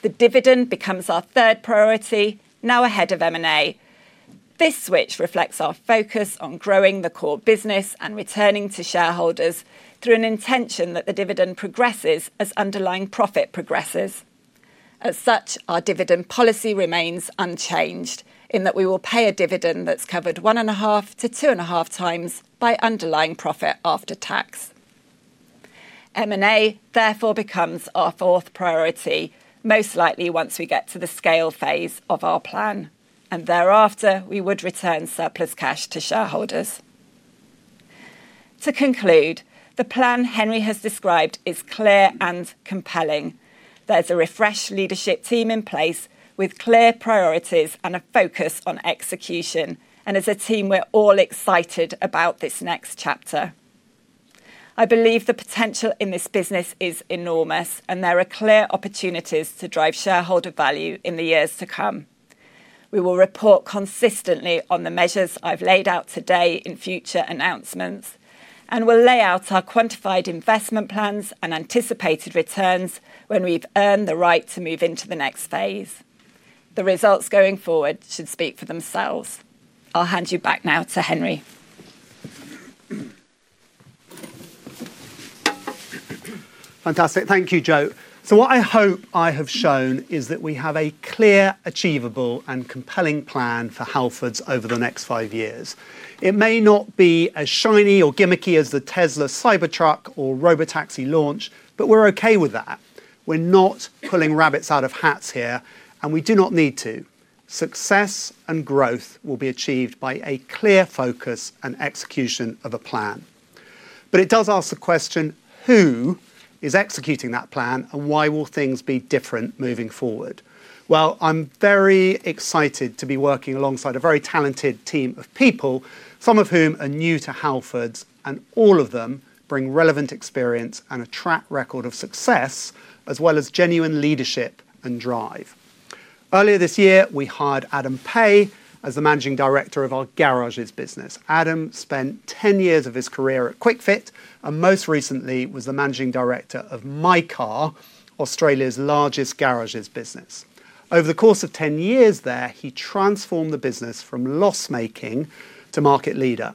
The dividend becomes our third priority, now ahead of M&A. This switch reflects our focus on growing the core business and returning to shareholders through an intention that the dividend progresses as underlying profit progresses. As such, our dividend policy remains unchanged in that we will pay a dividend that's covered one and a half to two and a half times by underlying profit after tax. M&A therefore becomes our fourth priority, most likely once we get to the scale phase of our plan, and thereafter, we would return surplus cash to shareholders. To conclude, the plan Henry has described is clear and compelling. There is a refreshed leadership team in place with clear priorities and a focus on execution, and as a team, we are all excited about this next chapter. I believe the potential in this business is enormous, and there are clear opportunities to drive shareholder value in the years to come. We will report consistently on the measures I have laid out today in future announcements and will lay out our quantified investment plans and anticipated returns when we have earned the right to move into the next phase. The results going forward should speak for themselves. I will hand you back now to Henry. Fantastic. Thank you, Jo. What I hope I have shown is that we have a clear, achievable, and compelling plan for Halfords over the next five years. It may not be as shiny or gimmicky as the Tesla Cybertruck or Robotaxi launch, but we're okay with that. We're not pulling rabbits out of hats here, and we do not need to. Success and growth will be achieved by a clear focus and execution of a plan. It does ask the question, who is executing that plan, and why will things be different moving forward? I am very excited to be working alongside a very talented team of people, some of whom are new to Halfords, and all of them bring relevant experience and a track record of success, as well as genuine leadership and drive. Earlier this year, we hired Adam Pay as the Managing Director of our garages business. Adam spent 10 years of his career at Kwik-Fit and most recently was the Managing Director of mycar, Australia's largest garages business. Over the course of 10 years there, he transformed the business from loss-making to market leader.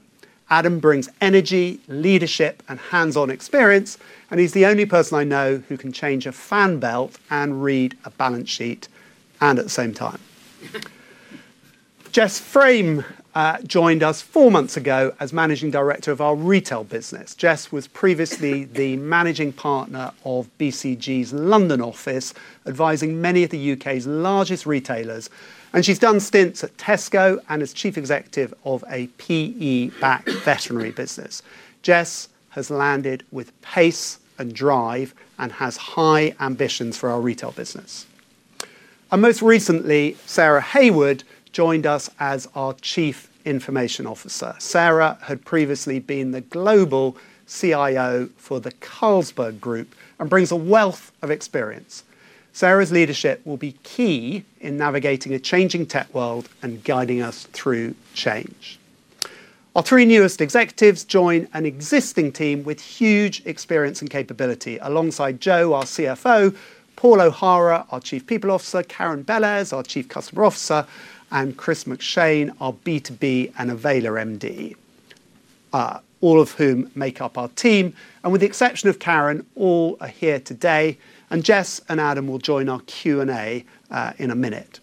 Adam brings energy, leadership, and hands-on experience, and he's the only person I know who can change a fanbelt and read a balance sheet at the same time. Jess Frame joined us four months ago as Managing Director of our retail business. Jess was previously the managing partner of BCG's London office, advising many of the U.K.'s largest retailers, and she's done stints at Tesco and is Chief Executive of a PE-backed veterinary business. Jess has landed with pace and drive and has high ambitions for our retail business. Most recently, Sarah Haywood joined us as our Chief Information Officer. Sarah had previously been the global CIO for the Carlsberg Group and brings a wealth of experience. Sarah's leadership will be key in navigating a changing tech world and guiding us through change. Our three newest executives join an existing team with huge experience and capability alongside Jo, our CFO, Paul O'Hara, our Chief People Officer, Karen Bellairs, our Chief Customer Officer, and Chris McShane, our B2B and Avayler MD, all of whom make up our team. With the exception of Karen, all are here today, and Jess and Adam will join our Q&A in a minute.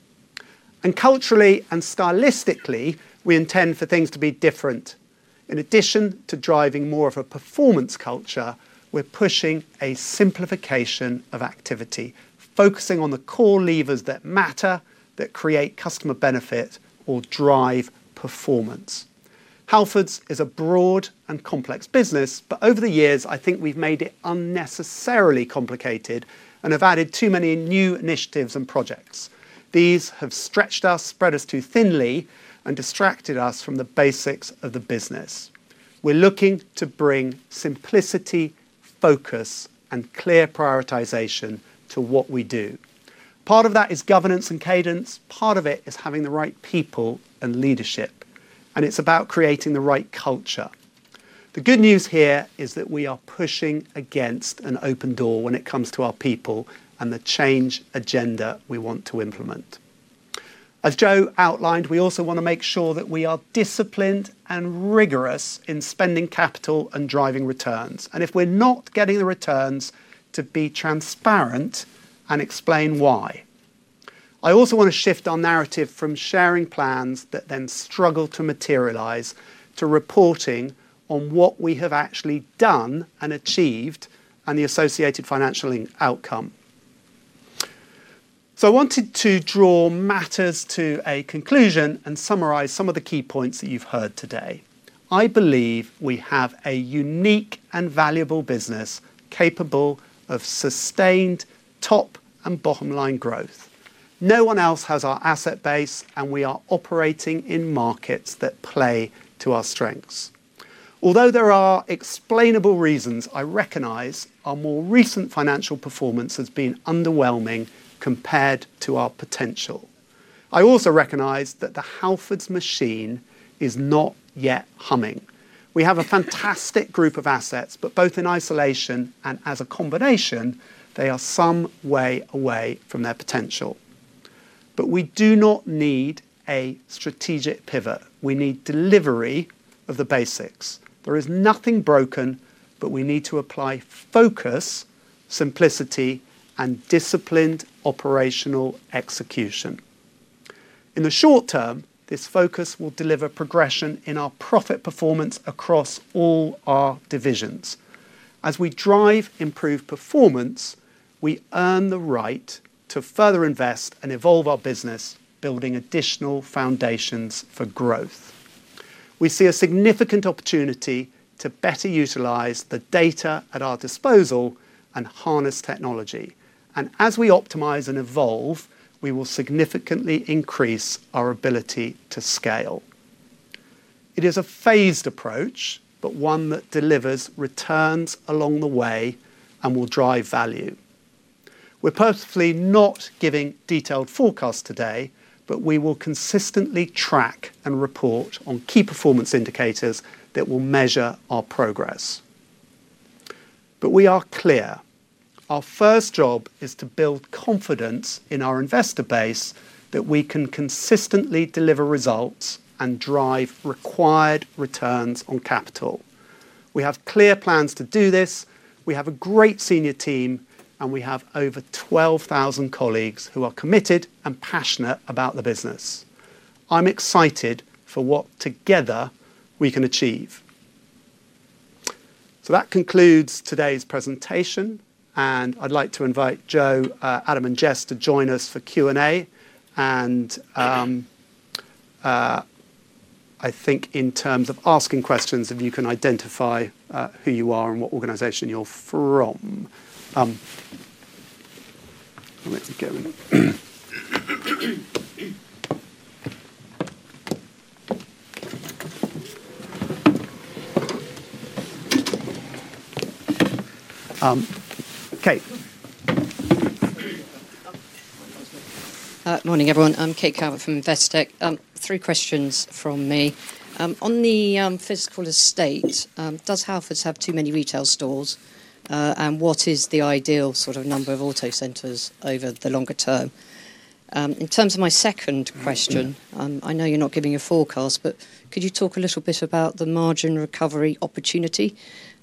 Culturally and stylistically, we intend for things to be different. In addition to driving more of a performance culture, we're pushing a simplification of activity, focusing on the core levers that matter, that create customer benefit or drive performance. Halfords is a broad and complex business, but over the years, I think we've made it unnecessarily complicated and have added too many new initiatives and projects. These have stretched us, spread us too thinly, and distracted us from the basics of the business. We're looking to bring simplicity, focus, and clear prioritization to what we do. Part of that is governance and cadence. Part of it is having the right people and leadership, and it's about creating the right culture. The good news here is that we are pushing against an open door when it comes to our people and the change agenda we want to implement. As Jo outlined, we also want to make sure that we are disciplined and rigorous in spending capital and driving returns. If we're not getting the returns, to be transparent and explain why. I also want to shift our narrative from sharing plans that then struggle to materialize to reporting on what we have actually done and achieved and the associated financial outcome. I wanted to draw matters to a conclusion and summarize some of the key points that you've heard today. I believe we have a unique and valuable business capable of sustained top and bottom line growth. No one else has our asset base, and we are operating in markets that play to our strengths. Although there are explainable reasons, I recognize our more recent financial performance has been underwhelming compared to our potential. I also recognize that the Halfords machine is not yet humming. We have a fantastic group of assets, but both in isolation and as a combination, they are some way away from their potential. We do not need a strategic pivot. We need delivery of the basics. There is nothing broken, but we need to apply focus, simplicity, and disciplined operational execution. In the short term, this focus will deliver progression in our profit performance across all our divisions. As we drive improved performance, we earn the right to further invest and evolve our business, building additional foundations for growth. We see a significant opportunity to better utilize the data at our disposal and harness technology. As we optimize and evolve, we will significantly increase our ability to scale. It is a phased approach, but one that delivers returns along the way and will drive value. We are purposefully not giving detailed forecasts today, but we will consistently track and report on key performance indicators that will measure our progress. We are clear. Our first job is to build confidence in our investor base that we can consistently deliver results and drive required returns on capital. We have clear plans to do this. We have a great senior team, and we have over 12,000 colleagues who are committed and passionate about the business. I'm excited for what together we can achieve. That concludes today's presentation, and I'd like to invite Jo, Adam, and Jess to join us for Q&A. I think in terms of asking questions, if you can identify who you are and what organization you're from. Let me get rid of Kate. Morning, everyone. I'm Kate Calvert from Investec. Three questions from me. On the physical estate, does Halfords have too many retail stores? What is the ideal sort of number of Autocentres over the longer term? In terms of my second question, I know you're not giving a forecast, but could you talk a little bit about the margin recovery opportunity?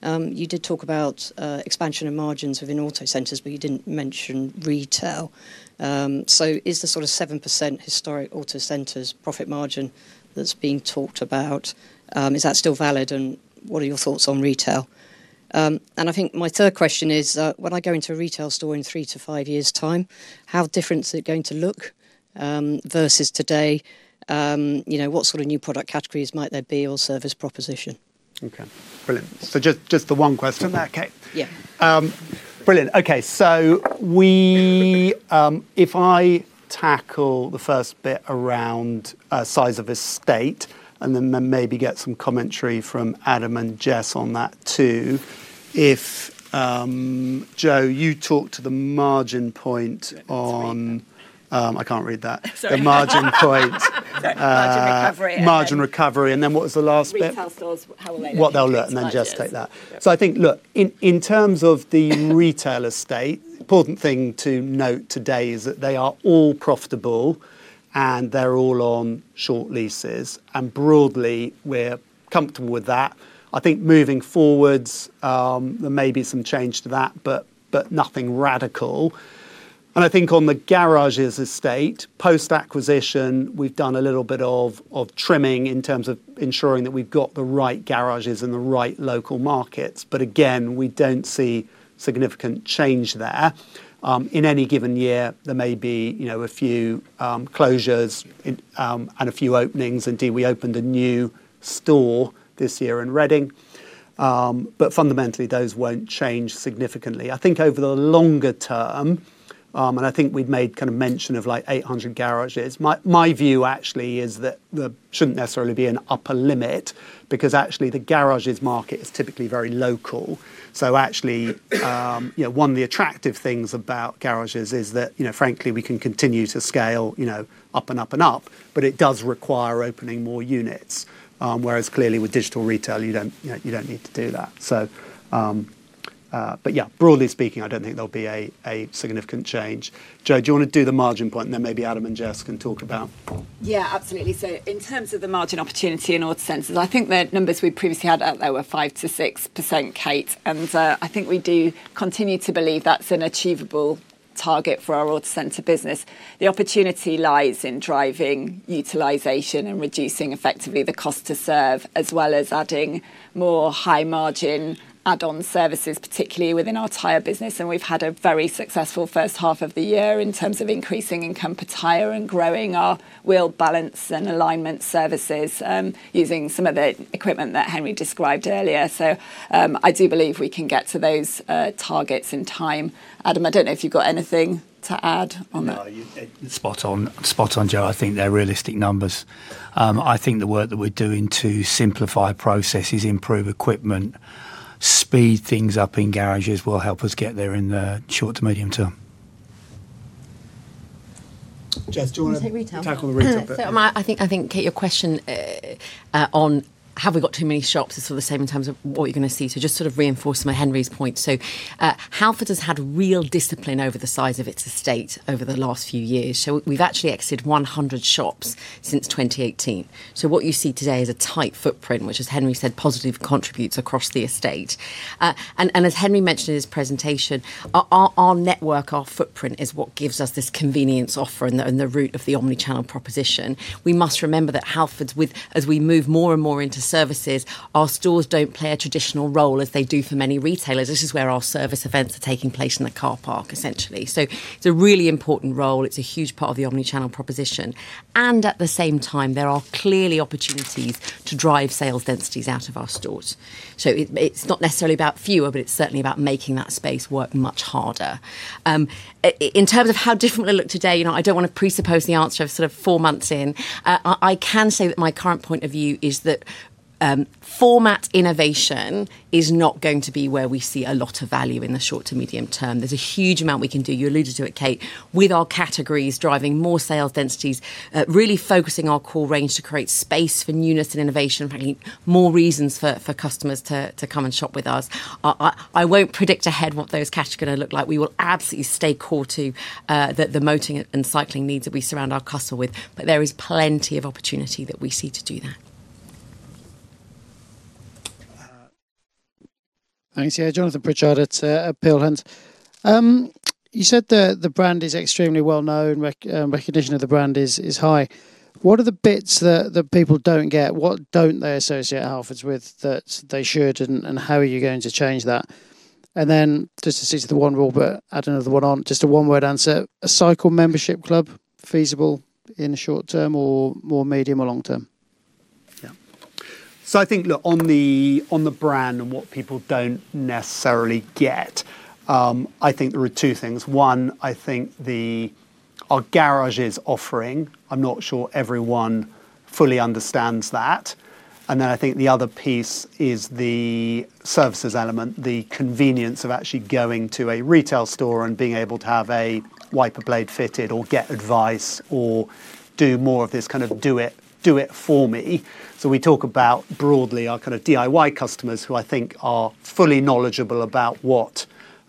You did talk about expansion and margins within Autocentres, but you didn't mention retail. Is the sort of 7% historic Autocentres profit margin that's being talked about, is that still valid? What are your thoughts on retail? I think my third question is, when I go into a retail store in three to five years' time, how different is it going to look versus today? What sort of new product categories might there be or service proposition? Okay. Brilliant. Just the one question there, Kate? Yeah. Brilliant. Okay. If I tackle the first bit around size of estate and then maybe get some commentary from Adam and Jess on that too, if Jo, you talk to the margin point on—I can't read that. Sorry. The margin point. Margin recovery. Margin recovery. What was the last bit? Retail stores, how well they do. What they'll look at, and then Jess take that. I think, in terms of the retail estate, an important thing to note today is that they are all profitable and they're all on short leases. Broadly, we're comfortable with that. I think moving forwards, there may be some change to that, but nothing radical. I think on the garages estate, post-acquisition, we've done a little bit of trimming in terms of ensuring that we've got the right garages in the right local markets. Again, we don't see significant change there. In any given year, there may be a few closures and a few openings. Indeed, we opened a new store this year in Reading. Fundamentally, those won't change significantly. I think over the longer term, and I think we'd made kind of mention of like 800 garages, my view actually is that there shouldn't necessarily be an upper limit because actually the garages market is typically very local. So actually, one of the attractive things about garages is that, frankly, we can continue to scale up and up and up, but it does require opening more units, whereas clearly with digital retail, you don't need to do that. Yeah, broadly speaking, I don't think there'll be a significant change. Jo, do you want to do the margin point, and then maybe Adam and Jess can talk about? Yeah, absolutely. In terms of the margin opportunity in auto centers, I think the numbers we previously had out there were 5%-6%, Kate. I think we do continue to believe that's an achievable target for our auto center business. The opportunity lies in driving utilization and reducing effectively the cost to serve, as well as adding more high-margin add-on services, particularly within our tire business. We've had a very successful first half of the year in terms of increasing income per Tyres and growing our wheel balance and alignment services using some of the equipment that Henry described earlier. I do believe we can get to those targets in time. Adam, I don't know if you've got anything to add on that. No, spot on, Jo. I think they're realistic numbers. I think the work that we're doing to simplify processes, improve equipment, speed things up in garages will help us get there in the short to medium term. Jess, do you want to tackle the retail bit? I think, Kate, your question on have we got too many shops is sort of the same in terms of what you're going to see. Just sort of reinforcing Henry's point. Halfords has had real discipline over the size of its estate over the last few years. We've actually exited 100 shops since 2018. What you see today is a tight footprint, which, as Henry said, positively contributes across the estate. As Henry mentioned in his presentation, our network, our footprint is what gives us this convenience offer in the root of the omnichannel proposition. We must remember that Halfords, as we move more and more into services, our stores don't play a traditional role as they do for many retailers. This is where our service events are taking place in the car park, essentially. It's a really important role. It's a huge part of the omnichannel proposition. At the same time, there are clearly opportunities to drive sales densities out of our stores. It's not necessarily about fewer, but it's certainly about making that space work much harder. In terms of how different we look today, I don't want to presuppose the answer of sort of four months in. I can say that my current point of view is that format innovation is not going to be where we see a lot of value in the short to medium term. There's a huge amount we can do. You alluded to it, Kate, with our categories driving more sales densities, really focusing our core range to create space for newness and innovation, and frankly, more reasons for customers to come and shop with us. I won't predict ahead what those cash are going to look like. We will absolutely stay core to the motoring and cycling needs that we surround our castle with, but there is plenty of opportunity that we see to do that. Thanks, yeah. Jonathan Pritchard at Peel Hunt, you said the brand is extremely well known. Recognition of the brand is high. What are the bits that people don't get? What don't they associate Halfords with that they should, and how are you going to change that? Just to see to the one rule, but add another one on, just a one-word answer, a cycle membership club, feasible in the short term or more medium or long term? Yeah. I think, look, on the brand and what people do not necessarily get, I think there are two things. One, I think our garages offering, I am not sure everyone fully understands that. I think the other piece is the services element, the convenience of actually going to a retail store and being able to have a wiper blade fitted or get advice or do more of this kind of do-it-for-me. We talk about broadly our kind of do-it-yourself customers who I think are fully knowledgeable about what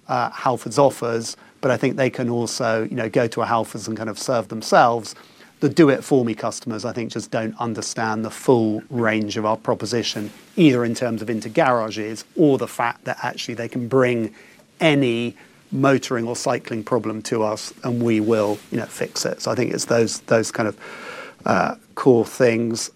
Halfords offers, but I think they can also go to a Halfords and kind of serve themselves. The do-it-for-me customers, I think, just do not understand the full range of our proposition, either in terms of into garages or the fact that actually they can bring any motoring or cycling problem to us, and we will fix it. I think it is those kind of core things.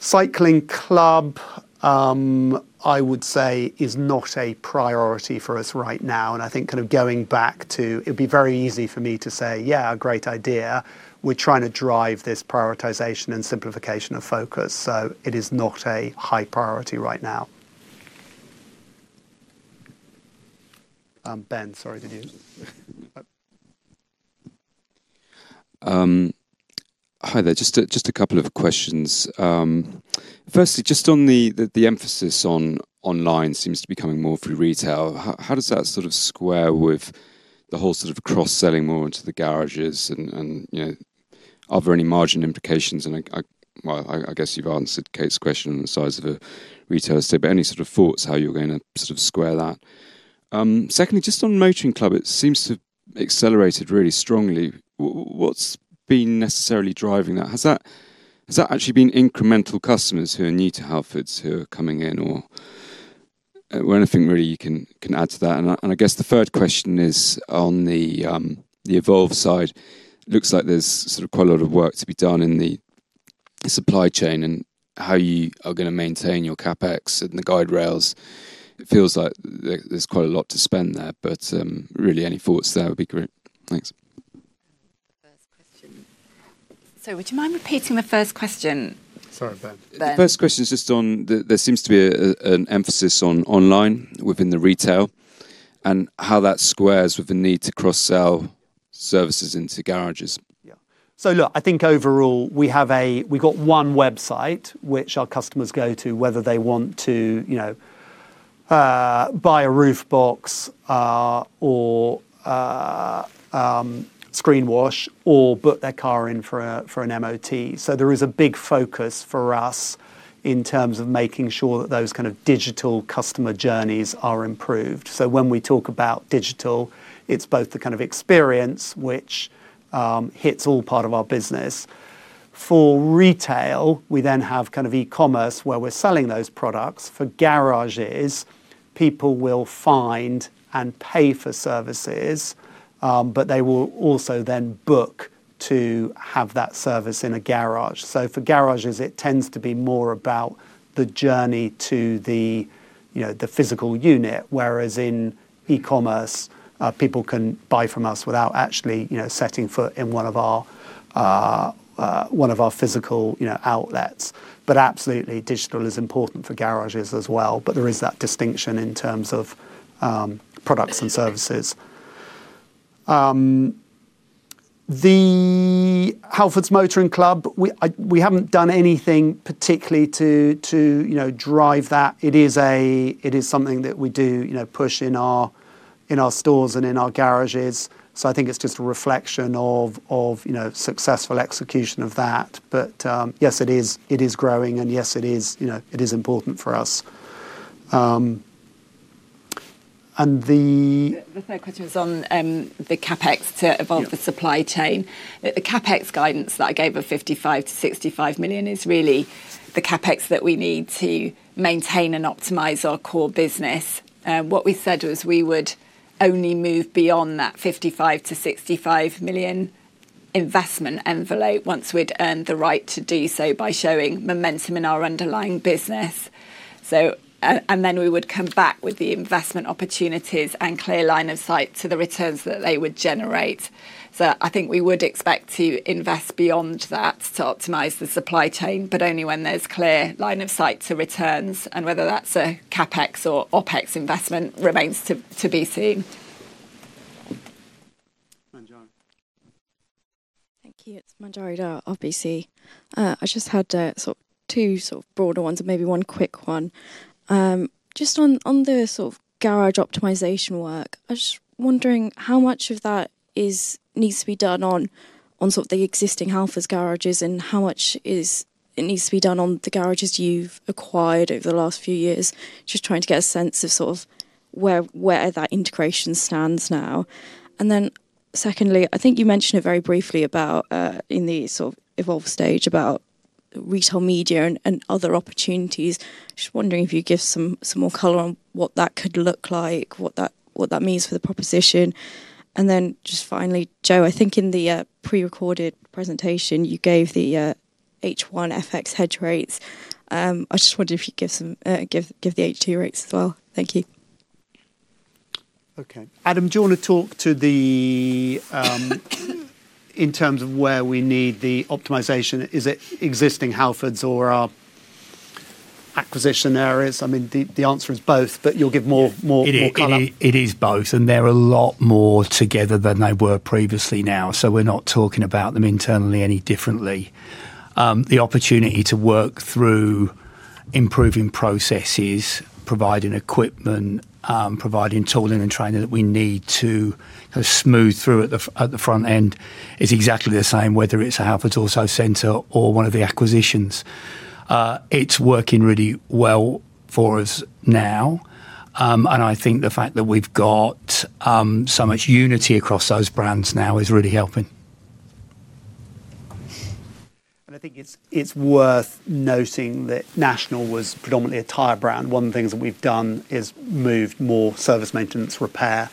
Cycling club, I would say, is not a priority for us right now. I think kind of going back to, it would be very easy for me to say, "Yeah, a great idea." We are trying to drive this prioritization and simplification of focus. It is not a high priority right now. Ben, sorry, did you? Hi there. Just a couple of questions. Firstly, just on the emphasis on online seems to be coming more through retail. How does that sort of square with the whole sort of cross-selling more into the garages? Are there any margin implications? I guess you've answered Kate's question on the size of a retail estate, but any sort of thoughts how you're going to sort of square that? Secondly, just on motoring club, it seems to have accelerated really strongly. What's been necessarily driving that? Has that actually been incremental customers who are new to Halfords who are coming in? Or anything really you can add to that? I guess the third question is on the evolve side, it looks like there's sort of quite a lot of work to be done in the supply chain and how you are going to maintain your CapEx and the guide rails. It feels like there's quite a lot to spend there, but really any thoughts there would be great. Thanks. First question. Would you mind repeating the first question? Sorry, Ben. The first question is just on there seems to be an emphasis on online within the retail and how that squares with the need to cross-sell services into garages. Yeah. Look, I think overall we have a we've got one website which our customers go to, whether they want to buy a roof box or screenwash or book their car in for an MOT. There is a big focus for us in terms of making sure that those kind of digital customer journeys are improved. When we talk about digital, it's both the kind of experience which hits all part of our business. For retail, we then have kind of e-commerce where we're selling those products. For garages, people will find and pay for services, but they will also then book to have that service in a garage. For garages, it tends to be more about the journey to the physical unit, whereas in e-commerce, people can buy from us without actually setting foot in one of our physical outlets. Absolutely, digital is important for garages as well, but there is that distinction in terms of products and services. The Halfords Motoring Club, we haven't done anything particularly to drive that. It is something that we do push in our stores and in our garages. I think it's just a reflection of successful execution of that. Yes, it is growing, and yes, it is important for us. The. The third question is on the CapEx to evolve the supply chain. The CapEx guidance that I gave of 55 million-65 million is really the CapEx that we need to maintain and optimize our core business. What we said was we would only move beyond that 55 million-65 million investment envelope once we'd earned the right to do so by showing momentum in our underlying business. We would come back with the investment opportunities and clear line of sight to the returns that they would generate. I think we would expect to invest beyond that to optimize the supply chain, but only when there's clear line of sight to returns. Whether that's a CapEx or OpEx investment remains to be seen. Thank you. It's Manjari Dhar, RBC. I just had two sort of broader ones and maybe one quick one. Just on the sort of garage optimization work, I was wondering how much of that needs to be done on sort of the existing Halfords garages and how much it needs to be done on the garages you've acquired over the last few years, just trying to get a sense of sort of where that integration stands now. Secondly, I think you mentioned it very briefly in the sort of evolve stage about retail media and other opportunities. Just wondering if you'd give some more color on what that could look like, what that means for the proposition. Just finally, Jo, I think in the pre-recorded presentation, you gave the H1 FX hedge rates. I just wondered if you'd give the H2 rates as well. Thank you. Okay. Adam, do you want to talk to the in terms of where we need the optimization? Is it existing Halfords or our acquisition areas? I mean, the answer is both, but you'll give more color. It is both, and they're a lot more together than they were previously now. We are not talking about them internally any differently. The opportunity to work through improving processes, providing equipment, providing tooling and training that we need to smooth through at the front end is exactly the same, whether it is a Halfords Autocentre or one of the acquisitions. It is working really well for us now. I think the fact that we have got so much unity across those brands now is really helping. I think it's worth noting that National was predominantly a tire brand. One of the things that we've done is moved more service maintenance repair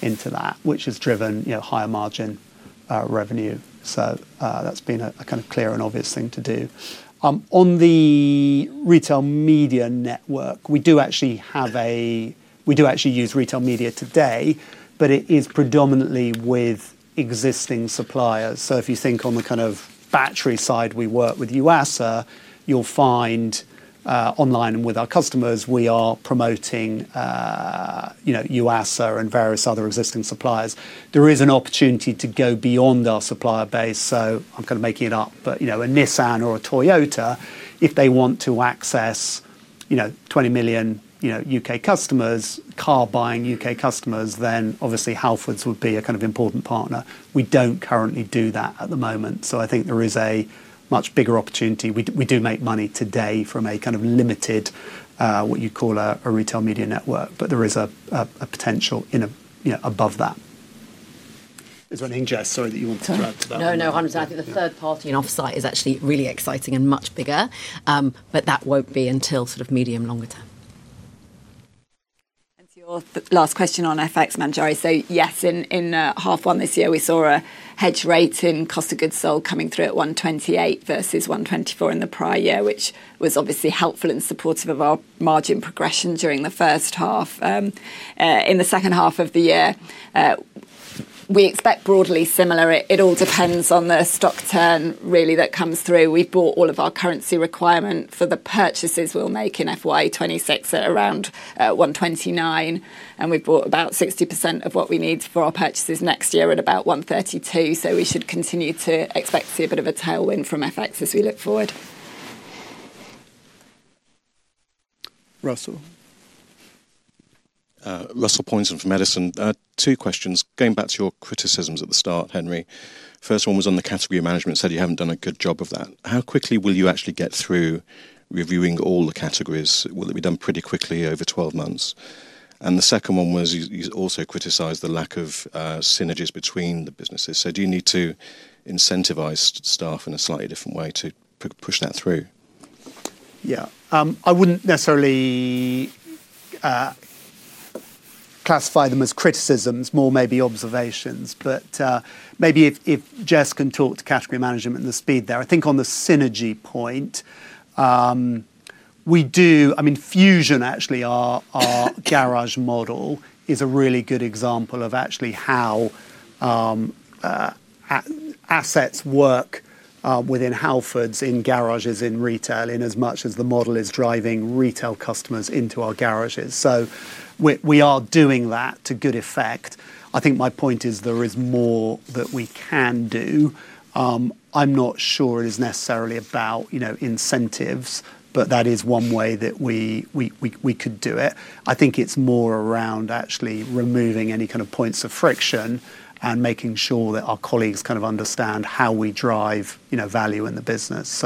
into that, which has driven higher margin revenue. That's been a kind of clear and obvious thing to do. On the retail media network, we do actually use retail media today, but it is predominantly with existing suppliers. If you think on the kind of battery side, we work with Yuasa. You'll find online and with our customers, we are promoting Yuasa and various other existing suppliers. There is an opportunity to go beyond our supplier base. I'm kind of making it up, but a Nissan or a Toyota, if they want to access 20 million U.K. customers, car-buying U.K. customers, then obviously Halfords would be a kind of important partner. We do not currently do that at the moment. I think there is a much bigger opportunity. We do make money today from a kind of limited, what you call a retail media network, but there is a potential above that. Is there anything, Jess, sorry, that you want to add to that? No, no, 100%. I think the third party and offsite is actually really exciting and much bigger, but that will not be until sort of medium-longer term. To your last question on FX, Manjari, yes, in half one this year, we saw a hedge rate in cost of goods sold coming through at 1.28 versus 1.24 in the prior year, which was obviously helpful and supportive of our margin progression during the first half. In the second half of the year, we expect broadly similar. It all depends on the stock turn, really, that comes through. We have bought all of our currency requirement for the purchases we will make in FY 2026 at around 1.29. We have bought about 60% of what we need for our purchases next year at about 1.32. We should continue to expect to see a bit of a tailwind from FX as we look forward. Russell. Russell Pointon from Edison. Two questions. Going back to your criticisms at the start, Henry. First one was on the category management. Said you have not done a good job of that. How quickly will you actually get through reviewing all the categories? Will it be done pretty quickly over 12 months? The second one was you also criticized the lack of synergies between the businesses. Do you need to incentivize staff in a slightly different way to push that through? Yeah. I would not necessarily classify them as criticisms, more maybe observations. Maybe if Jess can talk to category management and the speed there. I think on the synergy point, we do, I mean, Fusion actually, our garage model, is a really good example of actually how assets work within Halfords in garages in retail in as much as the model is driving retail customers into our garages. We are doing that to good effect. I think my point is there is more that we can do. I am not sure it is necessarily about incentives, but that is one way that we could do it. I think it is more around actually removing any kind of points of friction and making sure that our colleagues kind of understand how we drive value in the business.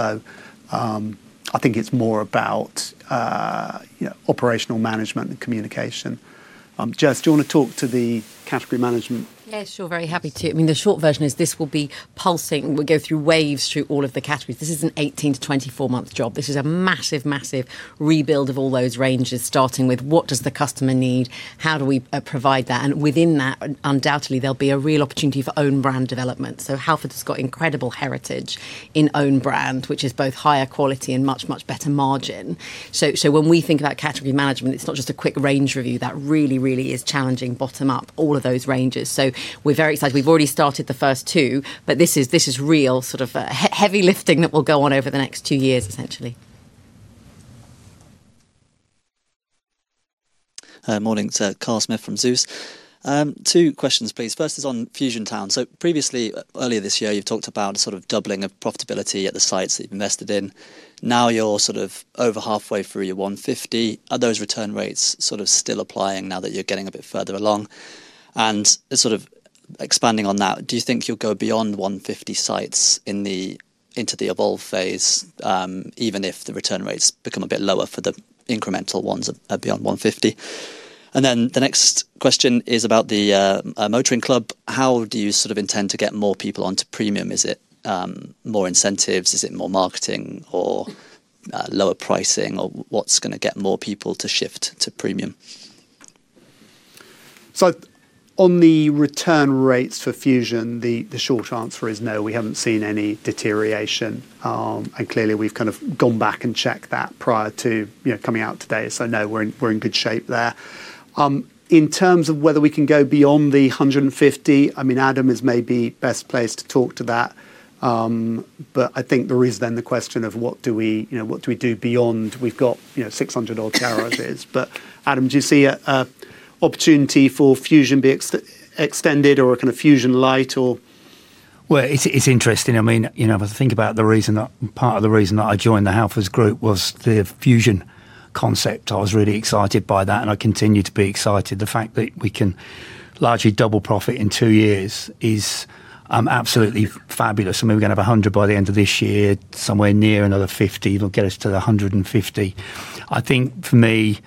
I think it is more about operational management and communication. Jess, do you want to talk to the category management? Yes, sure. Very happy to. I mean, the short version is this will be pulsing. We'll go through waves through all of the categories. This is an 18- to 24-month job. This is a massive, massive rebuild of all those ranges, starting with what does the customer need? How do we provide that? Within that, undoubtedly, there'll be a real opportunity for own brand development. Halfords has got incredible heritage in own brand, which is both higher quality and much, much better margin. When we think about category management, it's not just a quick range review. That really, really is challenging bottom-up all of those ranges. We're very excited. We've already started the first two, but this is real sort of heavy lifting that will go on over the next two years, essentially. Morning. Carl Smith from Zeus. Two questions, please. First is on Fusion Town. Previously, earlier this year, you've talked about sort of doubling of profitability at the sites that you've invested in. Now you're sort of over halfway through your 150. Are those return rates sort of still applying now that you're getting a bit further along? Expanding on that, do you think you'll go beyond 150 sites into the evolve phase, even if the return rates become a bit lower for the incremental ones beyond 150? The next question is about the motoring club. How do you sort of intend to get more people onto premium? Is it more incentives? Is it more marketing or lower pricing? Or what's going to get more people to shift to premium? On the return rates for Fusion, the short answer is no. We have not seen any deterioration. Clearly, we have kind of gone back and checked that prior to coming out today. No, we are in good shape there. In terms of whether we can go beyond the 150, I mean, Adam is maybe best placed to talk to that. I think there is then the question of what do we do beyond. We have got 600 garages. Adam, do you see an opportunity for Fusion being extended or a kind of Fusion Light or? It's interesting. I mean, if I think about the reason that part of the reason that I joined the Halfords Group was the Fusion concept. I was really excited by that, and I continue to be excited. The fact that we can largely double profit in two years is absolutely fabulous. I mean, we're going to have 100 by the end of this year, somewhere near another 50. It'll get us to the 150. I think for me,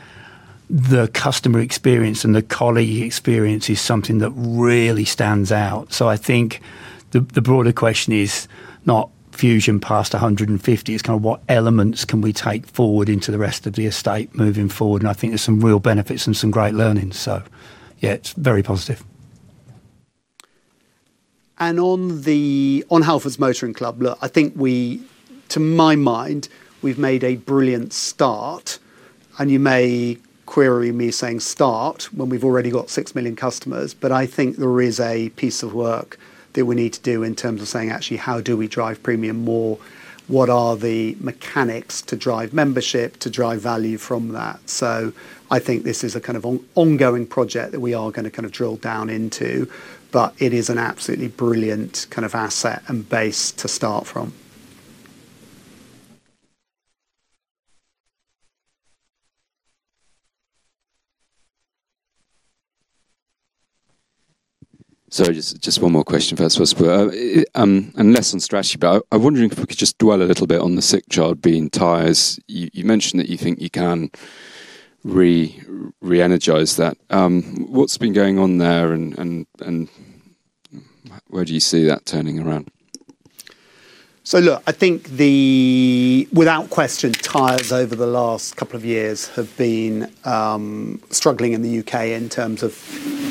the customer experience and the colleague experience is something that really stands out. I think the broader question is not Fusion past 150, it's kind of what elements can we take forward into the rest of the estate moving forward? I think there's some real benefits and some great learnings. Yeah, it's very positive. On Halfords Motoring Club, look, I think we, to my mind, we have made a brilliant start. You may query me saying start when we have already got 6 million customers, but I think there is a piece of work that we need to do in terms of saying, actually, how do we drive premium more? What are the mechanics to drive membership, to drive value from that? I think this is a kind of ongoing project that we are going to kind of drill down into, but it is an absolutely brilliant kind of asset and base to start from. Sorry, just one more question first. Less on strategy, but I'm wondering if we could just dwell a little bit on the sick child being Tyres. You mentioned that you think you can re-energize that. What's been going on there and where do you see that turning around? I think without question, Tyres over the last couple of years have been struggling in the U.K. in terms of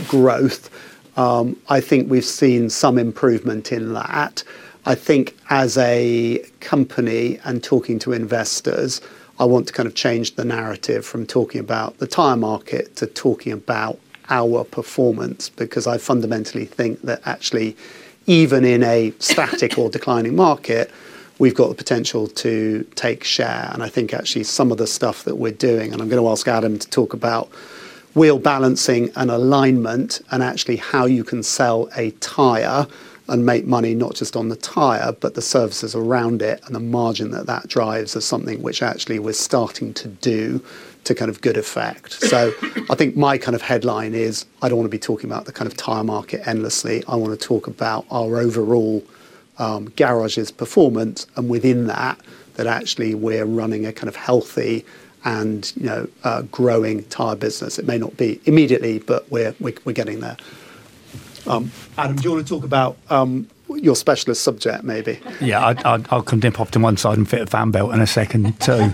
growth. I think we've seen some improvement in that. I think as a company and talking to investors, I want to kind of change the narrative from talking about the tire market to talking about our performance because I fundamentally think that actually, even in a static or declining market, we've got the potential to take share. I think actually some of the stuff that we're doing, and I'm going to ask Adam to talk about wheel balancing and alignment and actually how you can sell a tire and make money not just on the tire, but the services around it and the margin that that drives is something which actually we're starting to do to kind of good effect. I think my kind of headline is I don't want to be talking about the kind of tire market endlessly. I want to talk about our overall garages performance and within that, that actually we're running a kind of healthy and growing tire business. It may not be immediately, but we're getting there. Adam, do you want to talk about your specialist subject maybe? Yeah, I'll come, dim pop to one side and fit a fan belt in a second too.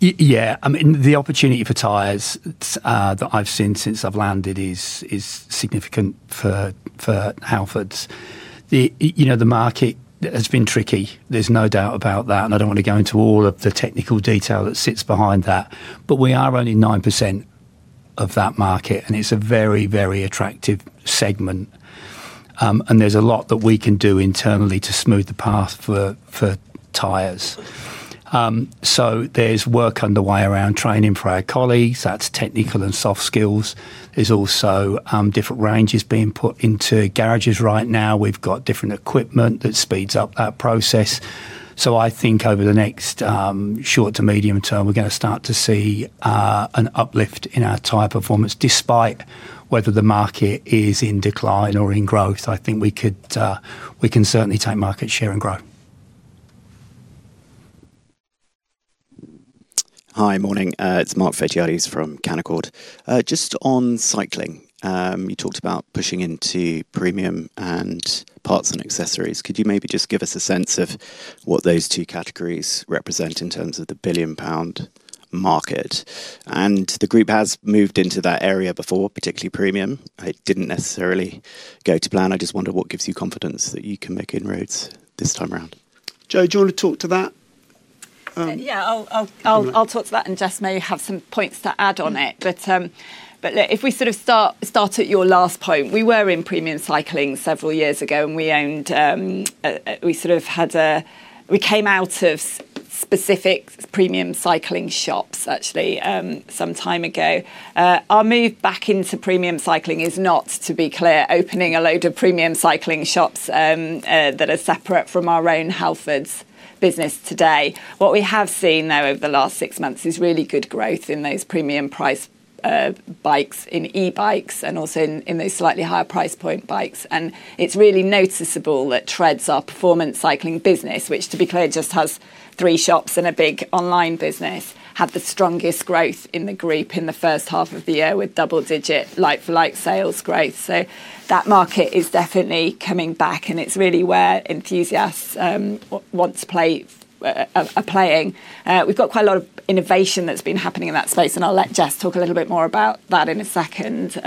Yeah, I mean, the opportunity for Tyres that I've seen since I've landed is significant for Halfords. The market has been tricky. There's no doubt about that. I don't want to go into all of the technical detail that sits behind that. We are only 9% of that market, and it's a very, very attractive segment. There's a lot that we can do internally to smooth the path for Tyres. There's work underway around training for our colleagues. That's technical and soft skills. There's also different ranges being put into garages right now. We've got different equipment that speeds up that process. I think over the next short to medium term, we're going to start to see an uplift in our tire performance despite whether the market is in decline or in growth. I think we can certainly take market share and grow. Hi, morning. It's Mark Photiades from Canaccord. Just on cycling, you talked about pushing into premium and parts and accessories. Could you maybe just give us a sense of what those two categories represent in terms of the billion-pound market? The group has moved into that area before, particularly premium. It didn't necessarily go to plan. I just wonder what gives you confidence that you can make inroads this time around? Jo, do you want to talk to that? Yeah, I'll talk to that. Jess may have some points to add on it. If we sort of start at your last point, we were in premium cycling several years ago, and we sort of had a we came out of specific premium cycling shops, actually, some time ago. Our move back into premium cycling is not, to be clear, opening a load of premium cycling shops that are separate from our own Halfords business today. What we have seen, though, over the last six months is really good growth in those premium-priced bikes, in e-bikes, and also in those slightly higher price point bikes. It is really noticeable that Threads, our performance cycling business, which, to be clear, just has three shops and a big online business, had the strongest growth in the group in the first half of the year with double-digit like-for-like sales growth. That market is definitely coming back, and it's really where enthusiasts want to play are playing. We've got quite a lot of innovation that's been happening in that space, and I'll let Jess talk a little bit more about that in a second.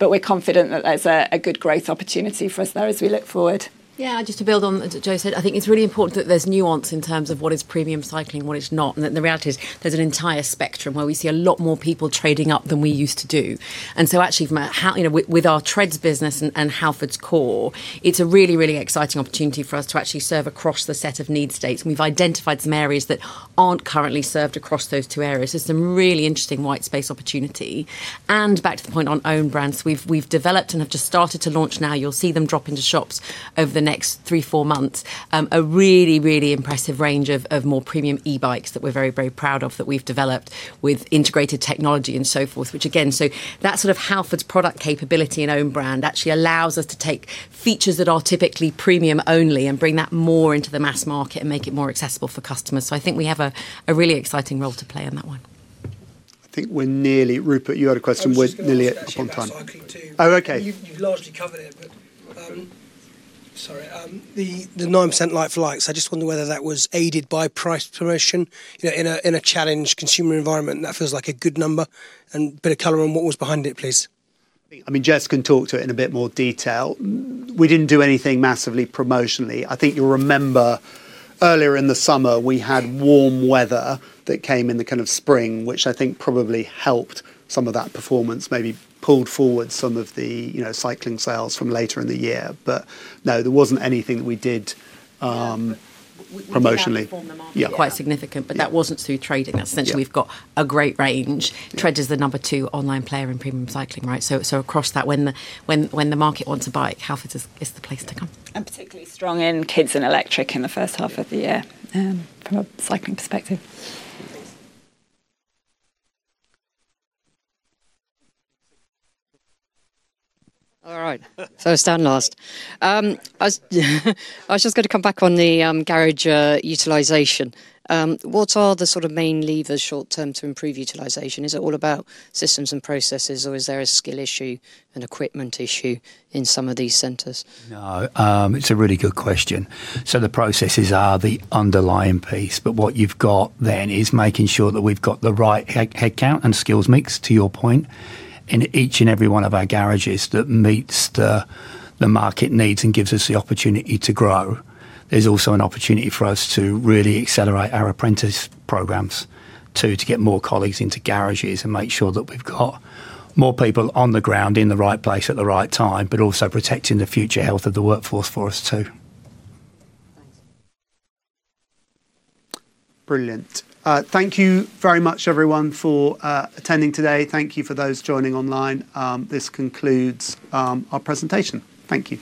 We're confident that there's a good growth opportunity for us there as we look forward. Yeah, just to build on what Jo said, I think it's really important that there's nuance in terms of what is premium cycling and what is not. The reality is there's an entire spectrum where we see a lot more people trading up than we used to do. Actually, with our Threads business and Halfords Core, it's a really, really exciting opportunity for us to actually serve across the set of needs states. We've identified some areas that aren't currently served across those two areas. There's some really interesting white space opportunity. Back to the point on own brands, we've developed and have just started to launch now. You'll see them drop into shops over the next three, four months. A really, really impressive range of more premium e-bikes that we are very, very proud of that we have developed with integrated technology and so forth, which again, that sort of Halfords product capability and own brand actually allows us to take features that are typically premium only and bring that more into the mass market and make it more accessible for customers. I think we have a really exciting role to play on that one. I think we're nearly, Rupert, you had a question. We're nearly up on time. Oh, okay. You've largely covered it, but sorry. The 9% like-for-likes, I just wonder whether that was aided by price promotion in a challenged consumer environment. That feels like a good number. A bit of color on what was behind it, please. I mean, Jess can talk to it in a bit more detail. We did not do anything massively promotionally. I think you will remember earlier in the summer, we had warm weather that came in the kind of spring, which I think probably helped some of that performance, maybe pulled forward some of the cycling sales from later in the year. No, there was not anything that we did promotionally. Yeah, quite significant. That was not through trading. That is essentially we have got a great range. Threads is the number two online player in premium cycling, right? Across that, when the market wants a bike, Halfords is the place to come. Particularly strong in kids and electric in the first half of the year from a cycling perspective. All right. Stand last. I was just going to come back on the garage utilization. What are the sort of main levers short-term to improve utilization? Is it all about systems and processes, or is there a skill issue and equipment issue in some of these centers? No, it's a really good question. The processes are the underlying piece. What you've got then is making sure that we've got the right headcount and skills mix, to your point, in each and every one of our garages that meets the market needs and gives us the opportunity to grow. There's also an opportunity for us to really accelerate our apprentice programs too, to get more colleagues into garages and make sure that we've got more people on the ground in the right place at the right time, but also protecting the future health of the workforce for us too. Brilliant. Thank you very much, everyone, for attending today. Thank you for those joining online. This concludes our presentation. Thank you.